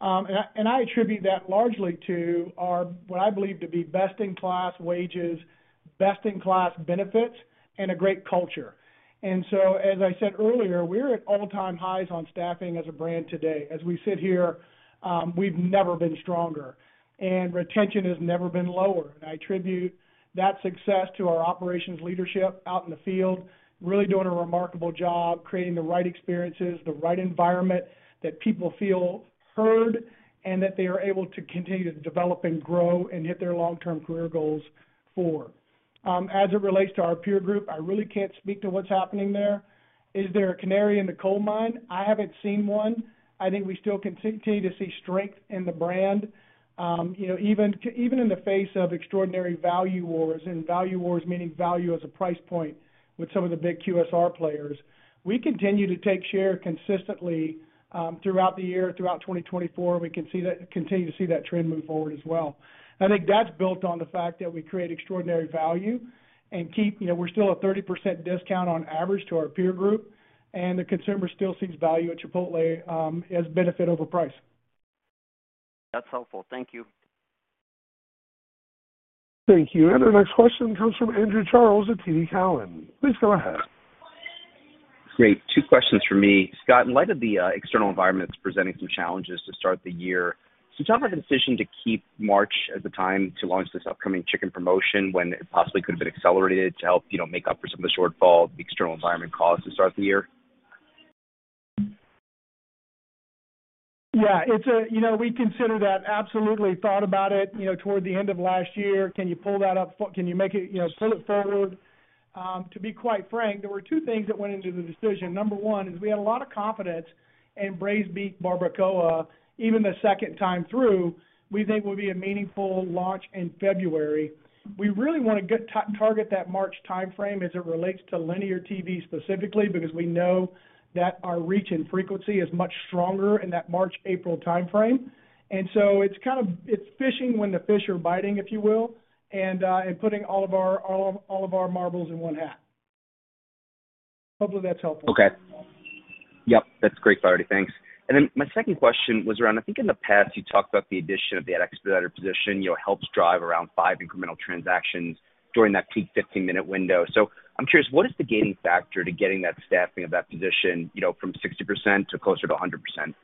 and I attribute that largely to what I believe to be best-in-class wages, best-in-class benefits, and a great culture, and so, as I said earlier, we're at all-time highs on staffing as a brand today. As we sit here, we've never been stronger, and retention has never been lower. I attribute that success to our operations leadership out in the field, really doing a remarkable job, creating the right experiences, the right environment that people feel heard, and that they are able to continue to develop and grow and hit their long-term career goals for. As it relates to our peer group, I really can't speak to what's happening there. Is there a canary in the coal mine? I haven't seen one. I think we still continue to see strength in the brand, even in the face of extraordinary value wars and value wars meaning value as a price point with some of the big QSR players. We continue to take share consistently throughout the year, throughout 2024. We can continue to see that trend move forward as well. I think that's built on the fact that we create extraordinary value and keep, we're still a 30% discount on average to our peer group. And the consumer still sees value at Chipotle as benefit over price. That's helpful. Thank you. Thank you. And our next question comes from Andrew Charles at TD Cowen. Please go ahead. Great. Two questions for me. Scott, in light of the external environment that's presenting some challenges to start the year, did you have a decision to keep March as the time to launch this upcoming chicken promotion when it possibly could have been accelerated to help make up for some of the shortfall the external environment caused to start the year? Yeah. We considered that, absolutely thought about it toward the end of last year. Can you pull that up? Can you make it pull it forward? To be quite frank, there were two things that went into the decision. Number one is we had a lot of confidence in Braised Beef Barbacoa, even the second time through. We think it will be a meaningful launch in February. We really want to target that March timeframe as it relates to linear TV specifically because we know that our reach and frequency is much stronger in that March-April timeframe. And so it's kind of fishing when the fish are biting, if you will, and putting all of our marbles in one hat. Hopefully, that's helpful. Okay. Yep. That's great, Sir. Thanks. And then my second question was around, I think in the past, you talked about the addition of the expediter position helps drive around five incremental transactions during that peak 15-minute window. So I'm curious, what is the gating factor to getting that staffing of that position from 60% to closer to 100%?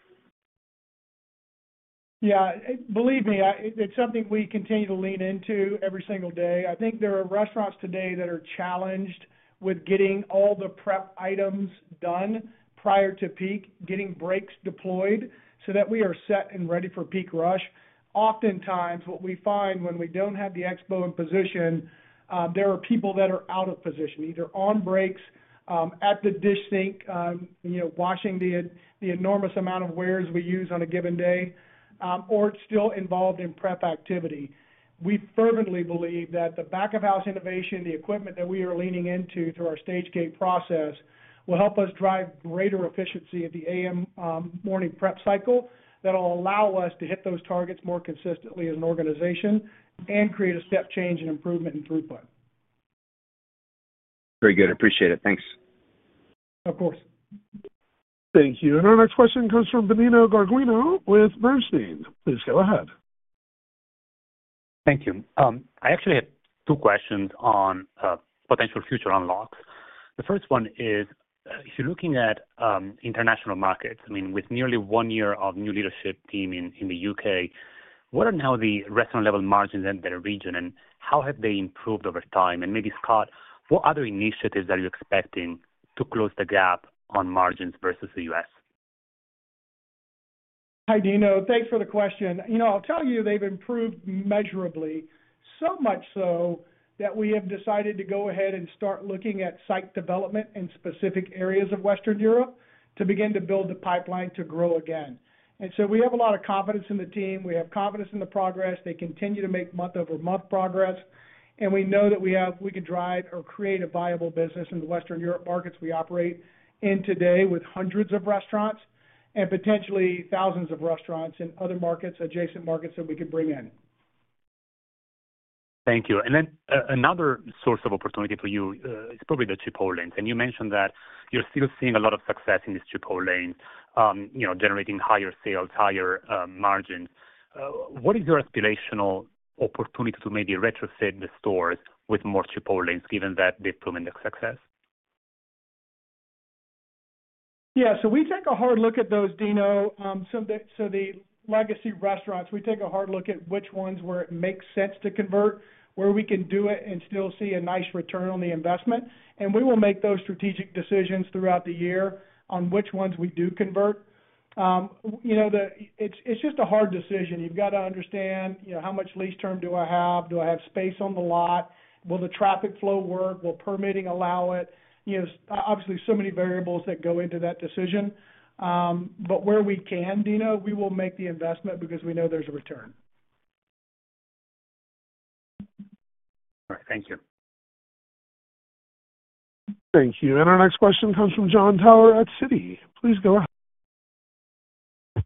Yeah. Believe me, it's something we continue to lean into every single day. I think there are restaurants today that are challenged with getting all the prep items done prior to peak, getting breaks deployed so that we are set and ready for peak rush. Oftentimes, what we find when we don't have the expo in position, there are people that are out of position, either on breaks at the dish sink, washing the enormous amount of wares we use on a given day, or still involved in prep activity. We fervently believe that the back-of-house innovation, the equipment that we are leaning into through our Stage-Gate process will help us drive greater efficiency at the AM morning prep cycle that will allow us to hit those targets more consistently as an organization and create a step change and improvement in throughput. Very good. Appreciate it. Thanks. Of course. Thank you. And our next question comes from Danilo Gargiulo with Bernstein. Please go ahead. Thank you. I actually had two questions on potential future unlocks. The first one is, if you're looking at international markets, I mean, with nearly one year of new leadership team in the U.K., what are now the restaurant-level margins in their region, and how have they improved over time? And maybe, Scott, what other initiatives are you expecting to close the gap on margins versus the U.S.? Hi, Dino. Thanks for the question. I'll tell you, they've improved measurably, so much so that we have decided to go ahead and start looking at site development in specific areas of Western Europe to begin to build the pipeline to grow again. So we have a lot of confidence in the team. We have confidence in the progress. They continue to make month-over-month progress. And we know that we can drive or create a viable business in the Western Europe markets we operate in today with hundreds of restaurants and potentially thousands of restaurants in other markets, adjacent markets that we could bring in. Thank you. Then another source of opportunity for you is probably the Chipotlanes. And you mentioned that you're still seeing a lot of success in these Chipotlanes, generating higher sales, higher margins. What is your aspirational opportunity to maybe retrofit the stores with more Chipotlanes, given that they've proven their success? Yeah. So we take a hard look at those, Dino. So the legacy restaurants, we take a hard look at which ones where it makes sense to convert, where we can do it and still see a nice return on the investment. And we will make those strategic decisions throughout the year on which ones we do convert. It's just a hard decision. You've got to understand how much lease term do I have? Do I have space on the lot? Will the traffic flow work? Will permitting allow it? Obviously, so many variables that go into that decision. But where we can, Dino, we will make the investment because we know there's a return. All right. Thank you. Thank you. And our next question comes from Jon Tower at Citi. Please go ahead.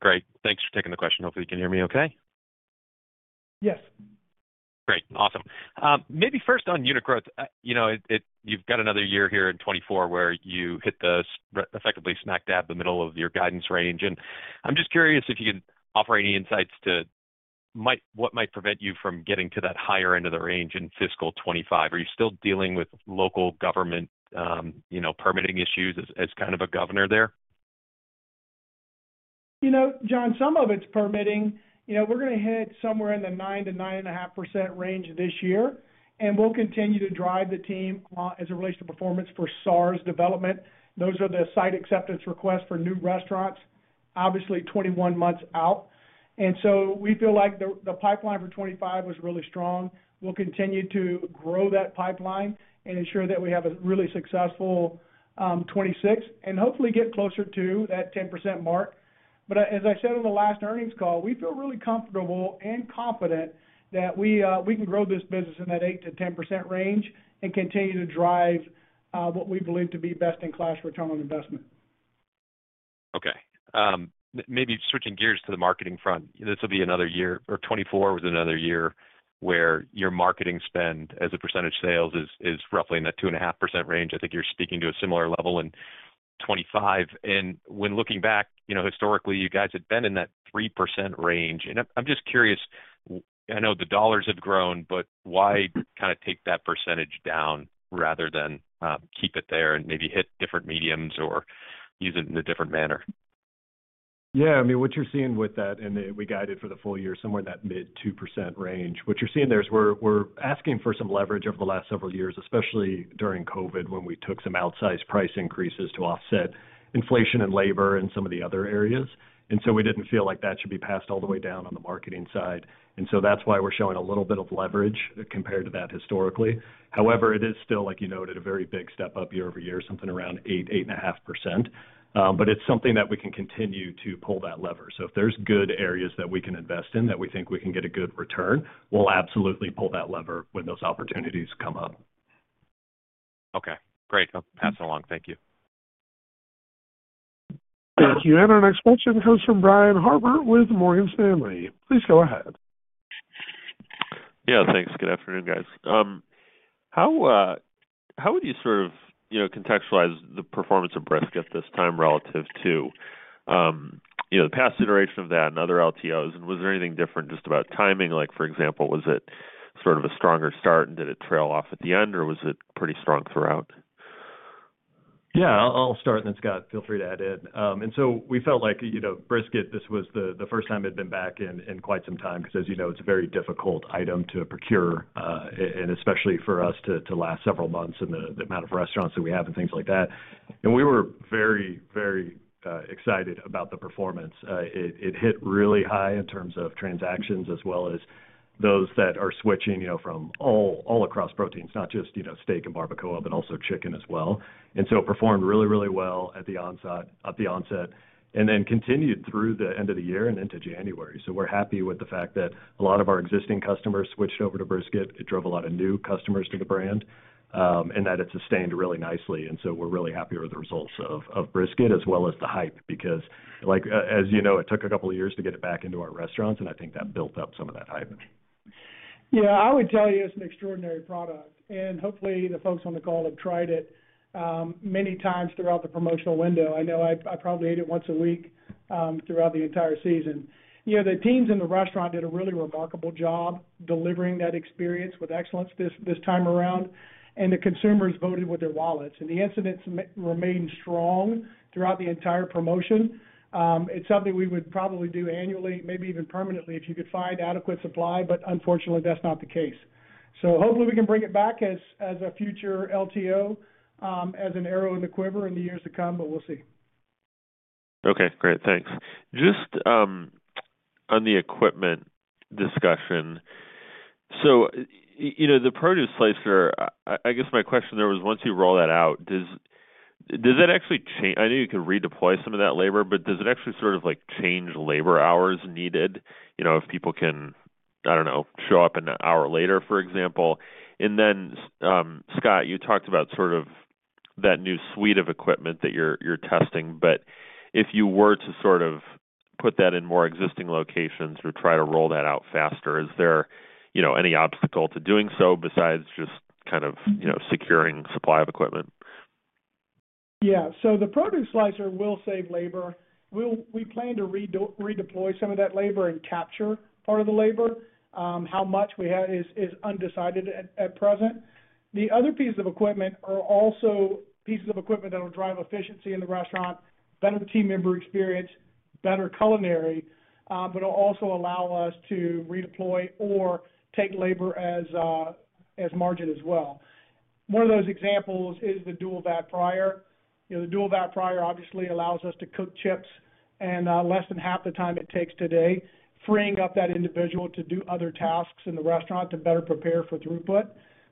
Great. Thanks for taking the question. Hopefully, you can hear me okay. Yes. Great. Awesome. Maybe first on unit growth, you've got another year here in 2024 where you hit the effectively smack dab the middle of your guidance range. And I'm just curious if you can offer any insights to what might prevent you from getting to that higher end of the range in fiscal 2025. Are you still dealing with local government permitting issues as kind of a governor there? Jon, some of it's permitting. We're going to hit somewhere in the 9%-9.5% range this year. And we'll continue to drive the team as it relates to performance for SARs development. Those are the site acceptance requests for new restaurants, obviously 21 months out. And so we feel like the pipeline for 2025 was really strong. We'll continue to grow that pipeline and ensure that we have a really successful 2026 and hopefully get closer to that 10% mark. But as I said on the last earnings call, we feel really comfortable and confident that we can grow this business in that 8%-10% range and continue to drive what we believe to be best-in-class return on investment. Okay. Maybe switching gears to the marketing front, this will be another year or 2024 was another year where your marketing spend as a percentage sales is roughly in that 2.5% range. I think you're speaking to a similar level in 2025. And when looking back, historically, you guys had been in that 3% range. I'm just curious. I know the dollars have grown, but why kind of take that percentage down rather than keep it there and maybe hit different mediums or use it in a different manner? Yeah. I mean, what you're seeing with that, and we guided for the full year, somewhere in that mid-2% range. What you're seeing there is we're asking for some leverage over the last several years, especially during COVID when we took some outsized price increases to offset inflation and labor and some of the other areas. And so we didn't feel like that should be passed all the way down on the marketing side. And so that's why we're showing a little bit of leverage compared to that historically. However, it is still, like you noted, a very big step up year-over-year, something around 8%-8.5%. But it's something that we can continue to pull that lever. So if there's good areas that we can invest in that we think we can get a good return, we'll absolutely pull that lever when those opportunities come up. Okay. Great. I'll pass it along. Thank you. Thank you. And our next question comes from Brian Harbour with Morgan Stanley. Please go ahead. Yeah. Thanks. Good afternoon, guys. How would you sort of contextualize the performance of Brisket this time relative to the past iteration of that and other LTOs? And was there anything different just about timing? For example, was it sort of a stronger start, and did it trail off at the end, or was it pretty strong throughout? Yeah. I'll start, and then Scott, feel free to add in. And so we felt like Brisket, this was the first time it had been back in quite some time because, as you know, it's a very difficult item to procure, and especially for us to last several months and the amount of restaurants that we have and things like that. And we were very, very excited about the performance. It hit really high in terms of transactions as well as those that are switching from all across proteins, not just steak and barbacoa, but also chicken as well. And so it performed really, really well at the onset. And then continued through the end of the year and into January. So we're happy with the fact that a lot of our existing customers switched over to Brisket. It drove a lot of new customers to the brand and that it sustained really nicely. And so we're really happy with the results of Brisket as well as the hype because, as you know, it took a couple of years to get it back into our restaurants, and I think that built up some of that hype. Yeah. I would tell you it's an extraordinary product. And hopefully, the folks on the call have tried it many times throughout the promotional window. I know I probably ate it once a week throughout the entire season. The teams in the restaurant did a really remarkable job delivering that experience with excellence this time around. And the consumers voted with their wallets. And the interest remained strong throughout the entire promotion. It's something we would probably do annually, maybe even permanently if you could find adequate supply, but unfortunately, that's not the case. So hopefully, we can bring it back as a future LTO, as an arrow in the quiver in the years to come, but we'll see. Okay. Great. Thanks. Just on the equipment discussion, so the produce slicer, I guess my question there was, once you roll that out, does that actually change? I know you can redeploy some of that labor, but does it actually sort of change labor hours needed if people can, I don't know, show up an hour later, for example? And then, Scott, you talked about sort of that new suite of equipment that you're testing, but if you were to sort of put that in more existing locations or try to roll that out faster, is there any obstacle to doing so besides just kind of securing supply of equipment? Yeah. So the produce slicer will save labor. We plan to redeploy some of that labor and capture part of the labor. How much we have is undecided at present. The other pieces of equipment are also pieces of equipment that will drive efficiency in the restaurant, better team member experience, better culinary, but will also allow us to redeploy or take labor as margin as well. One of those examples is the dual-vat fryer. The dual-vat fryer obviously allows us to cook chips in less than half the time it takes today, freeing up that individual to do other tasks in the restaurant to better prepare for throughput.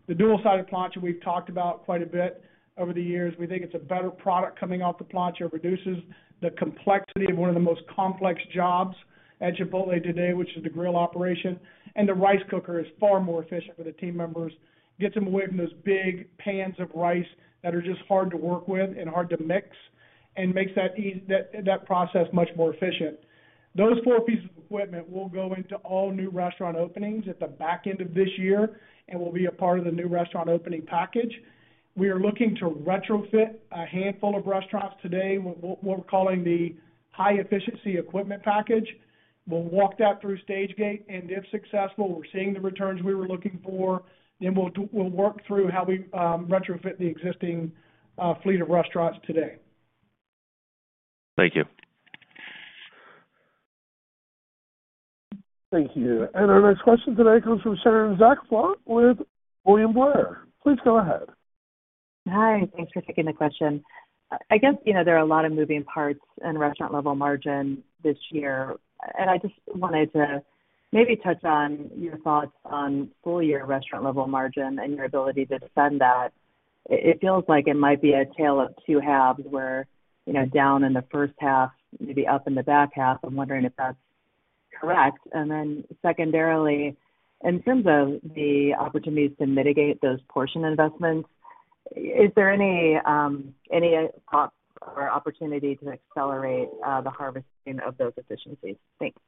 The dual-sided plancha, we've talked about quite a bit over the years. We think it's a better product coming off the plancha. It reduces the complexity of one of the most complex jobs at Chipotle today, which is the grill operation. And the rice cooker is far more efficient for the team members. It gets them away from those big pans of rice that are just hard to work with and hard to mix and makes that process much more efficient. Those four pieces of equipment will go into all new restaurant openings at the back end of this year and will be a part of the new restaurant opening package. We are looking to retrofit a handful of restaurants today with what we're calling the high-efficiency equipment package. We'll walk that through Stage-Gate. If successful and we're seeing the returns we were looking for, then we'll work through how we retrofit the existing fleet of restaurants today. Thank you. Thank you. Our next question today comes from Sharon Zackfia with William Blair. Please go ahead. Hi. Thanks for taking the question. I guess there are a lot of moving parts in restaurant-level margin this year. And I just wanted to maybe touch on your thoughts on full-year restaurant-level margin and your ability to defend that. It feels like it might be a tale of two halves where down in the first half, maybe up in the back half. I'm wondering if that's correct. And then secondarily, in terms of the opportunities to mitigate those portion investments, is there any thought or opportunity to accelerate the harvesting of those efficiencies? Thanks.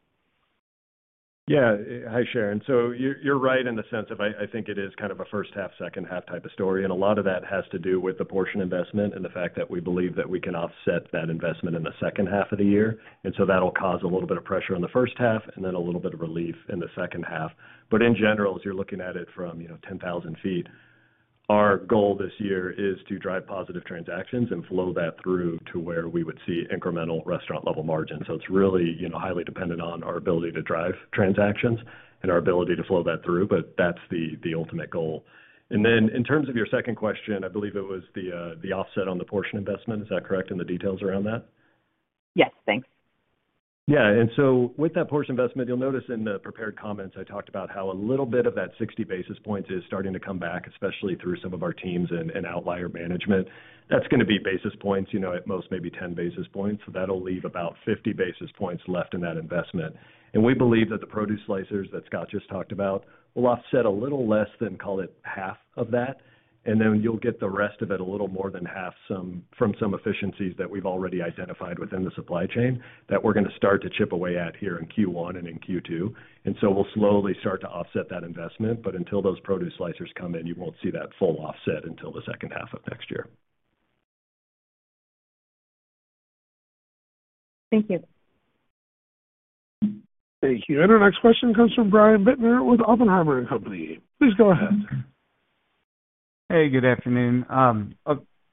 Yeah. Hi, Sharon. So you're right in the sense of I think it is kind of a first-half, second-half type of story. And a lot of that has to do with the portion investment and the fact that we believe that we can offset that investment in the second half of the year. And so that'll cause a little bit of pressure in the first half and then a little bit of relief in the second half. But in general, as you're looking at it from 10,000 feet, our goal this year is to drive positive transactions and flow that through to where we would see incremental restaurant-level margins. So it's really highly dependent on our ability to drive transactions and our ability to flow that through, but that's the ultimate goal. And then in terms of your second question, I believe it was the offset on the portion investment. Is that correct? And the details around that? Yes. Thanks. Yeah. And so with that portion investment, you'll notice in the prepared comments, I talked about how a little bit of that 60 basis points is starting to come back, especially through some of our teams and outlier management. That's going to be basis points at most, maybe 10 basis points. So that'll leave about 50 basis points left in that investment. And we believe that the produce slicers that Scott just talked about will offset a little less than, call it, half of that. And then you'll get the rest of it a little more than half from some efficiencies that we've already identified within the supply chain that we're going to start to chip away at here in Q1 and in Q2. And so we'll slowly start to offset that investment. But until those produce slicers come in, you won't see that full offset until the second half of next year. Thank you. Thank you. And our next question comes from Brian Bittner with Oppenheimer & Co. Please go ahead. Hey, good afternoon.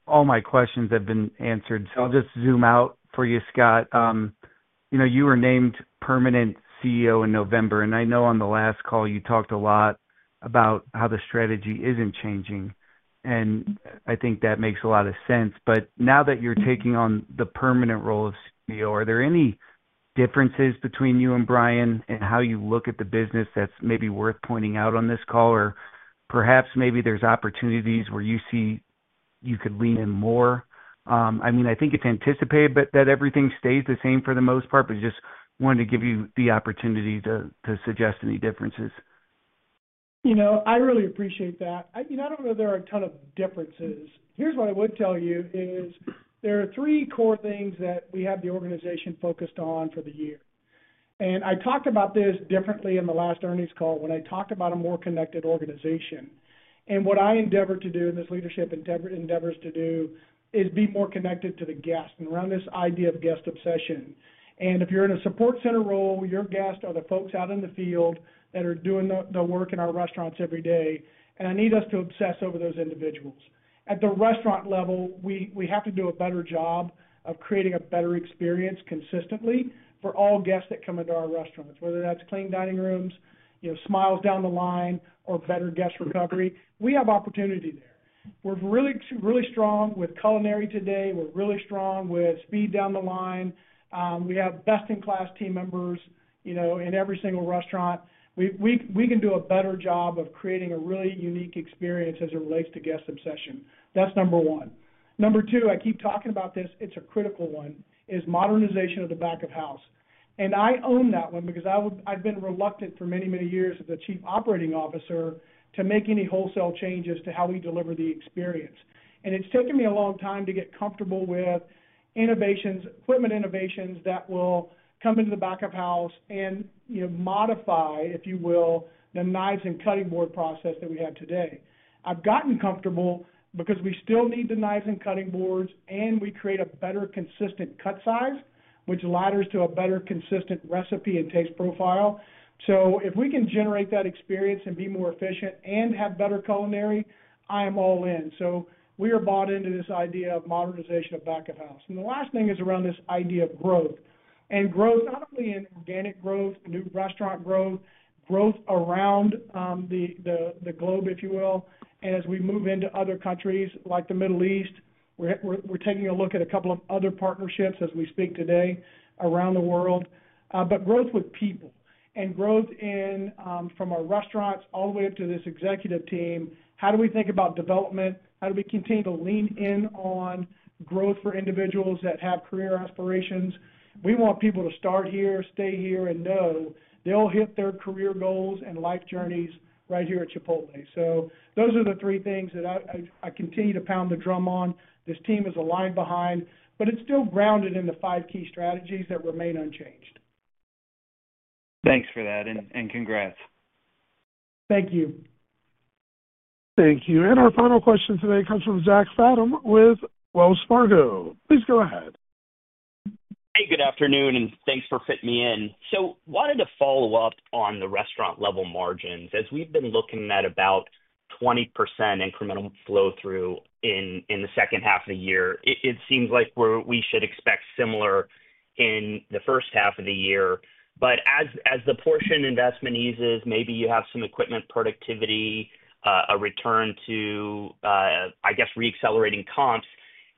All my questions have been answered. So I'll just zoom out for you, Scott. You were named permanent CEO in November. And I know on the last call, you talked a lot about how the strategy isn't changing. And I think that makes a lot of sense. But now that you're taking on the permanent role of CEO, are there any differences between you and Brian in how you look at the business that's maybe worth pointing out on this call? Or perhaps maybe there's opportunities where you see you could lean in more? I mean, I think it's anticipated that everything stays the same for the most part, but just wanted to give you the opportunity to suggest any differences. I really appreciate that. I don't know that there are a ton of differences. Here's what I would tell you is there are three core things that we have the organization focused on for the year. I talked about this differently in the last earnings call when I talked about a more connected organization. What I endeavor to do in this leadership endeavors to do is be more connected to the guests and around this idea of guest obsession. If you're in a support center role, your guests are the folks out in the field that are doing the work in our restaurants every day. I need us to obsess over those individuals. At the restaurant level, we have to do a better job of creating a better experience consistently for all guests that come into our restaurants, whether that's clean dining rooms, smiles down the line, or better guest recovery. We have opportunity there. We're really strong with culinary today. We're really strong with speed down the line. We have best-in-class team members in every single restaurant. We can do a better job of creating a really unique experience as it relates to guest obsession. That's number one. Number two, I keep talking about this. It's a critical one, is modernization of the back of house. And I own that one because I've been reluctant for many, many years as a chief operating officer to make any wholesale changes to how we deliver the experience. And it's taken me a long time to get comfortable with equipment innovations that will come into the back of house and modify, if you will, the knives and cutting board process that we have today. I've gotten comfortable because we still need the knives and cutting boards, and we create a better consistent cut size, which ladders to a better consistent recipe and taste profile. So if we can generate that experience and be more efficient and have better culinary, I am all in, so we are bought into this idea of modernization of back of house, and the last thing is around this idea of growth and growth, not only in organic growth, new restaurant growth, growth around the globe, if you will, and as we move into other countries like the Middle East. We're taking a look at a couple of other partnerships as we speak today around the world, but growth with people and growth from our restaurants all the way up to this executive team. How do we think about development? How do we continue to lean in on growth for individuals that have career aspirations? We want people to start here, stay here, and know they'll hit their career goals and life journeys right here at Chipotle. So those are the three things that I continue to pound the drum on. This team is aligned behind, but it's still grounded in the five key strategies that remain unchanged. Thanks for that. And congrats. Thank you. Thank you. And our final question today comes from Zachary Fadem with Wells Fargo. Please go ahead. Hey, good afternoon, and thanks for fitting me in. So wanted to follow up on the restaurant-level margins. As we've been looking at about 20% incremental flow-through in the second half of the year, it seems like we should expect similar in the first half of the year. But as the portion investment eases, maybe you have some equipment productivity, a return to, I guess, re-accelerating comps.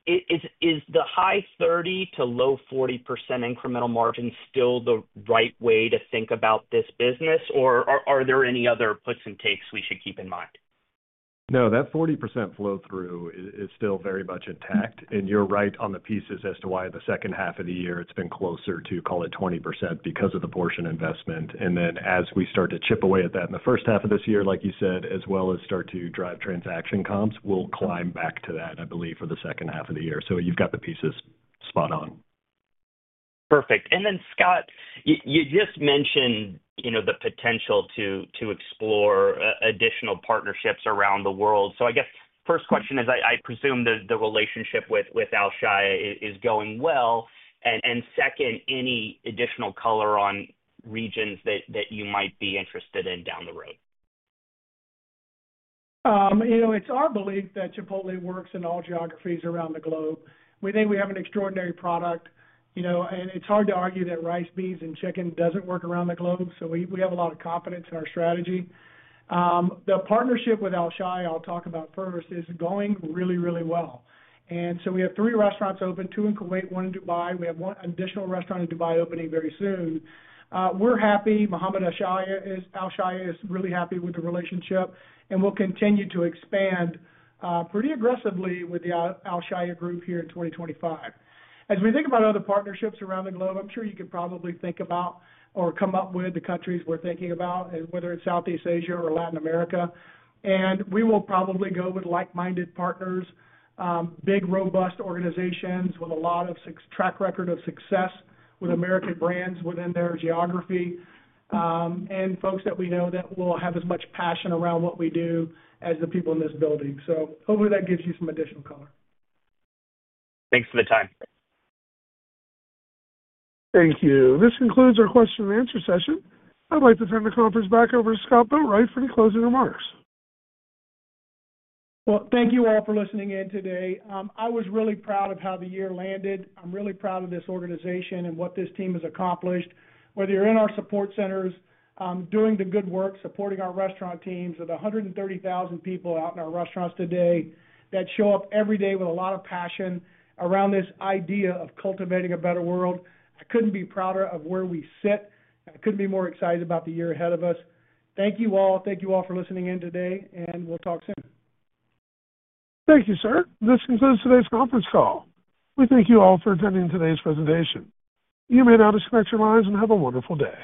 Is the high 30% to low 40% incremental margin still the right way to think about this business? Or, are there any other puts and takes we should keep in mind? No, that 40% flow-through is still very much intact. And you're right on the pieces as to why the second half of the year it's been closer to, call it, 20% because of the portion investment. And then as we start to chip away at that in the first half of this year, like you said, as well as start to drive transaction comps, we'll climb back to that, I believe, for the second half of the year. So you've got the pieces spot on. Perfect. And then, Scott, you just mentioned the potential to explore additional partnerships around the world. So I guess first question is, I presume the relationship with Alshaya is going well. And second, any additional color on regions that you might be interested in down the road? It's our belief that Chipotle works in all geographies around the globe. We think we have an extraordinary product. And it's hard to argue that rice, beans, and chicken doesn't work around the globe. So we have a lot of confidence in our strategy. The partnership with Alshaya, I'll talk about first, is going really, really well. And so we have three restaurants open, two in Kuwait, one in Dubai. We have one additional restaurant in Dubai opening very soon. We're happy. Mohammed Alshaya is really happy with the relationship. And we'll continue to expand pretty aggressively with the Alshaya Group here in 2025. As we think about other partnerships around the globe, I'm sure you could probably think about or come up with the countries we're thinking about, whether it's Southeast Asia or Latin America. And we will probably go with like-minded partners, big, robust organizations with a lot of track record of success with American brands within their geography, and folks that we know that will have as much passion around what we do as the people in this building. So hopefully that gives you some additional color. Thanks for the time. Thank you. This concludes our question-and-answer session. I'd like to turn the conference back over to Scott Boatwright for the closing remarks. Well, thank you all for listening in today. I was really proud of how the year landed. I'm really proud of this organization and what this team has accomplished, whether you're in our support centers doing the good work, supporting our restaurant teams of 130,000 people out in our restaurants today that show up every day with a lot of passion around this idea of cultivating a better world. I couldn't be prouder of where we sit. I couldn't be more excited about the year ahead of us. Thank you all. Thank you all for listening in today, and we'll talk soon. Thank you, sir. This concludes today's conference call. We thank you all for attending today's presentation. You may now disconnect your lines and have a wonderful day.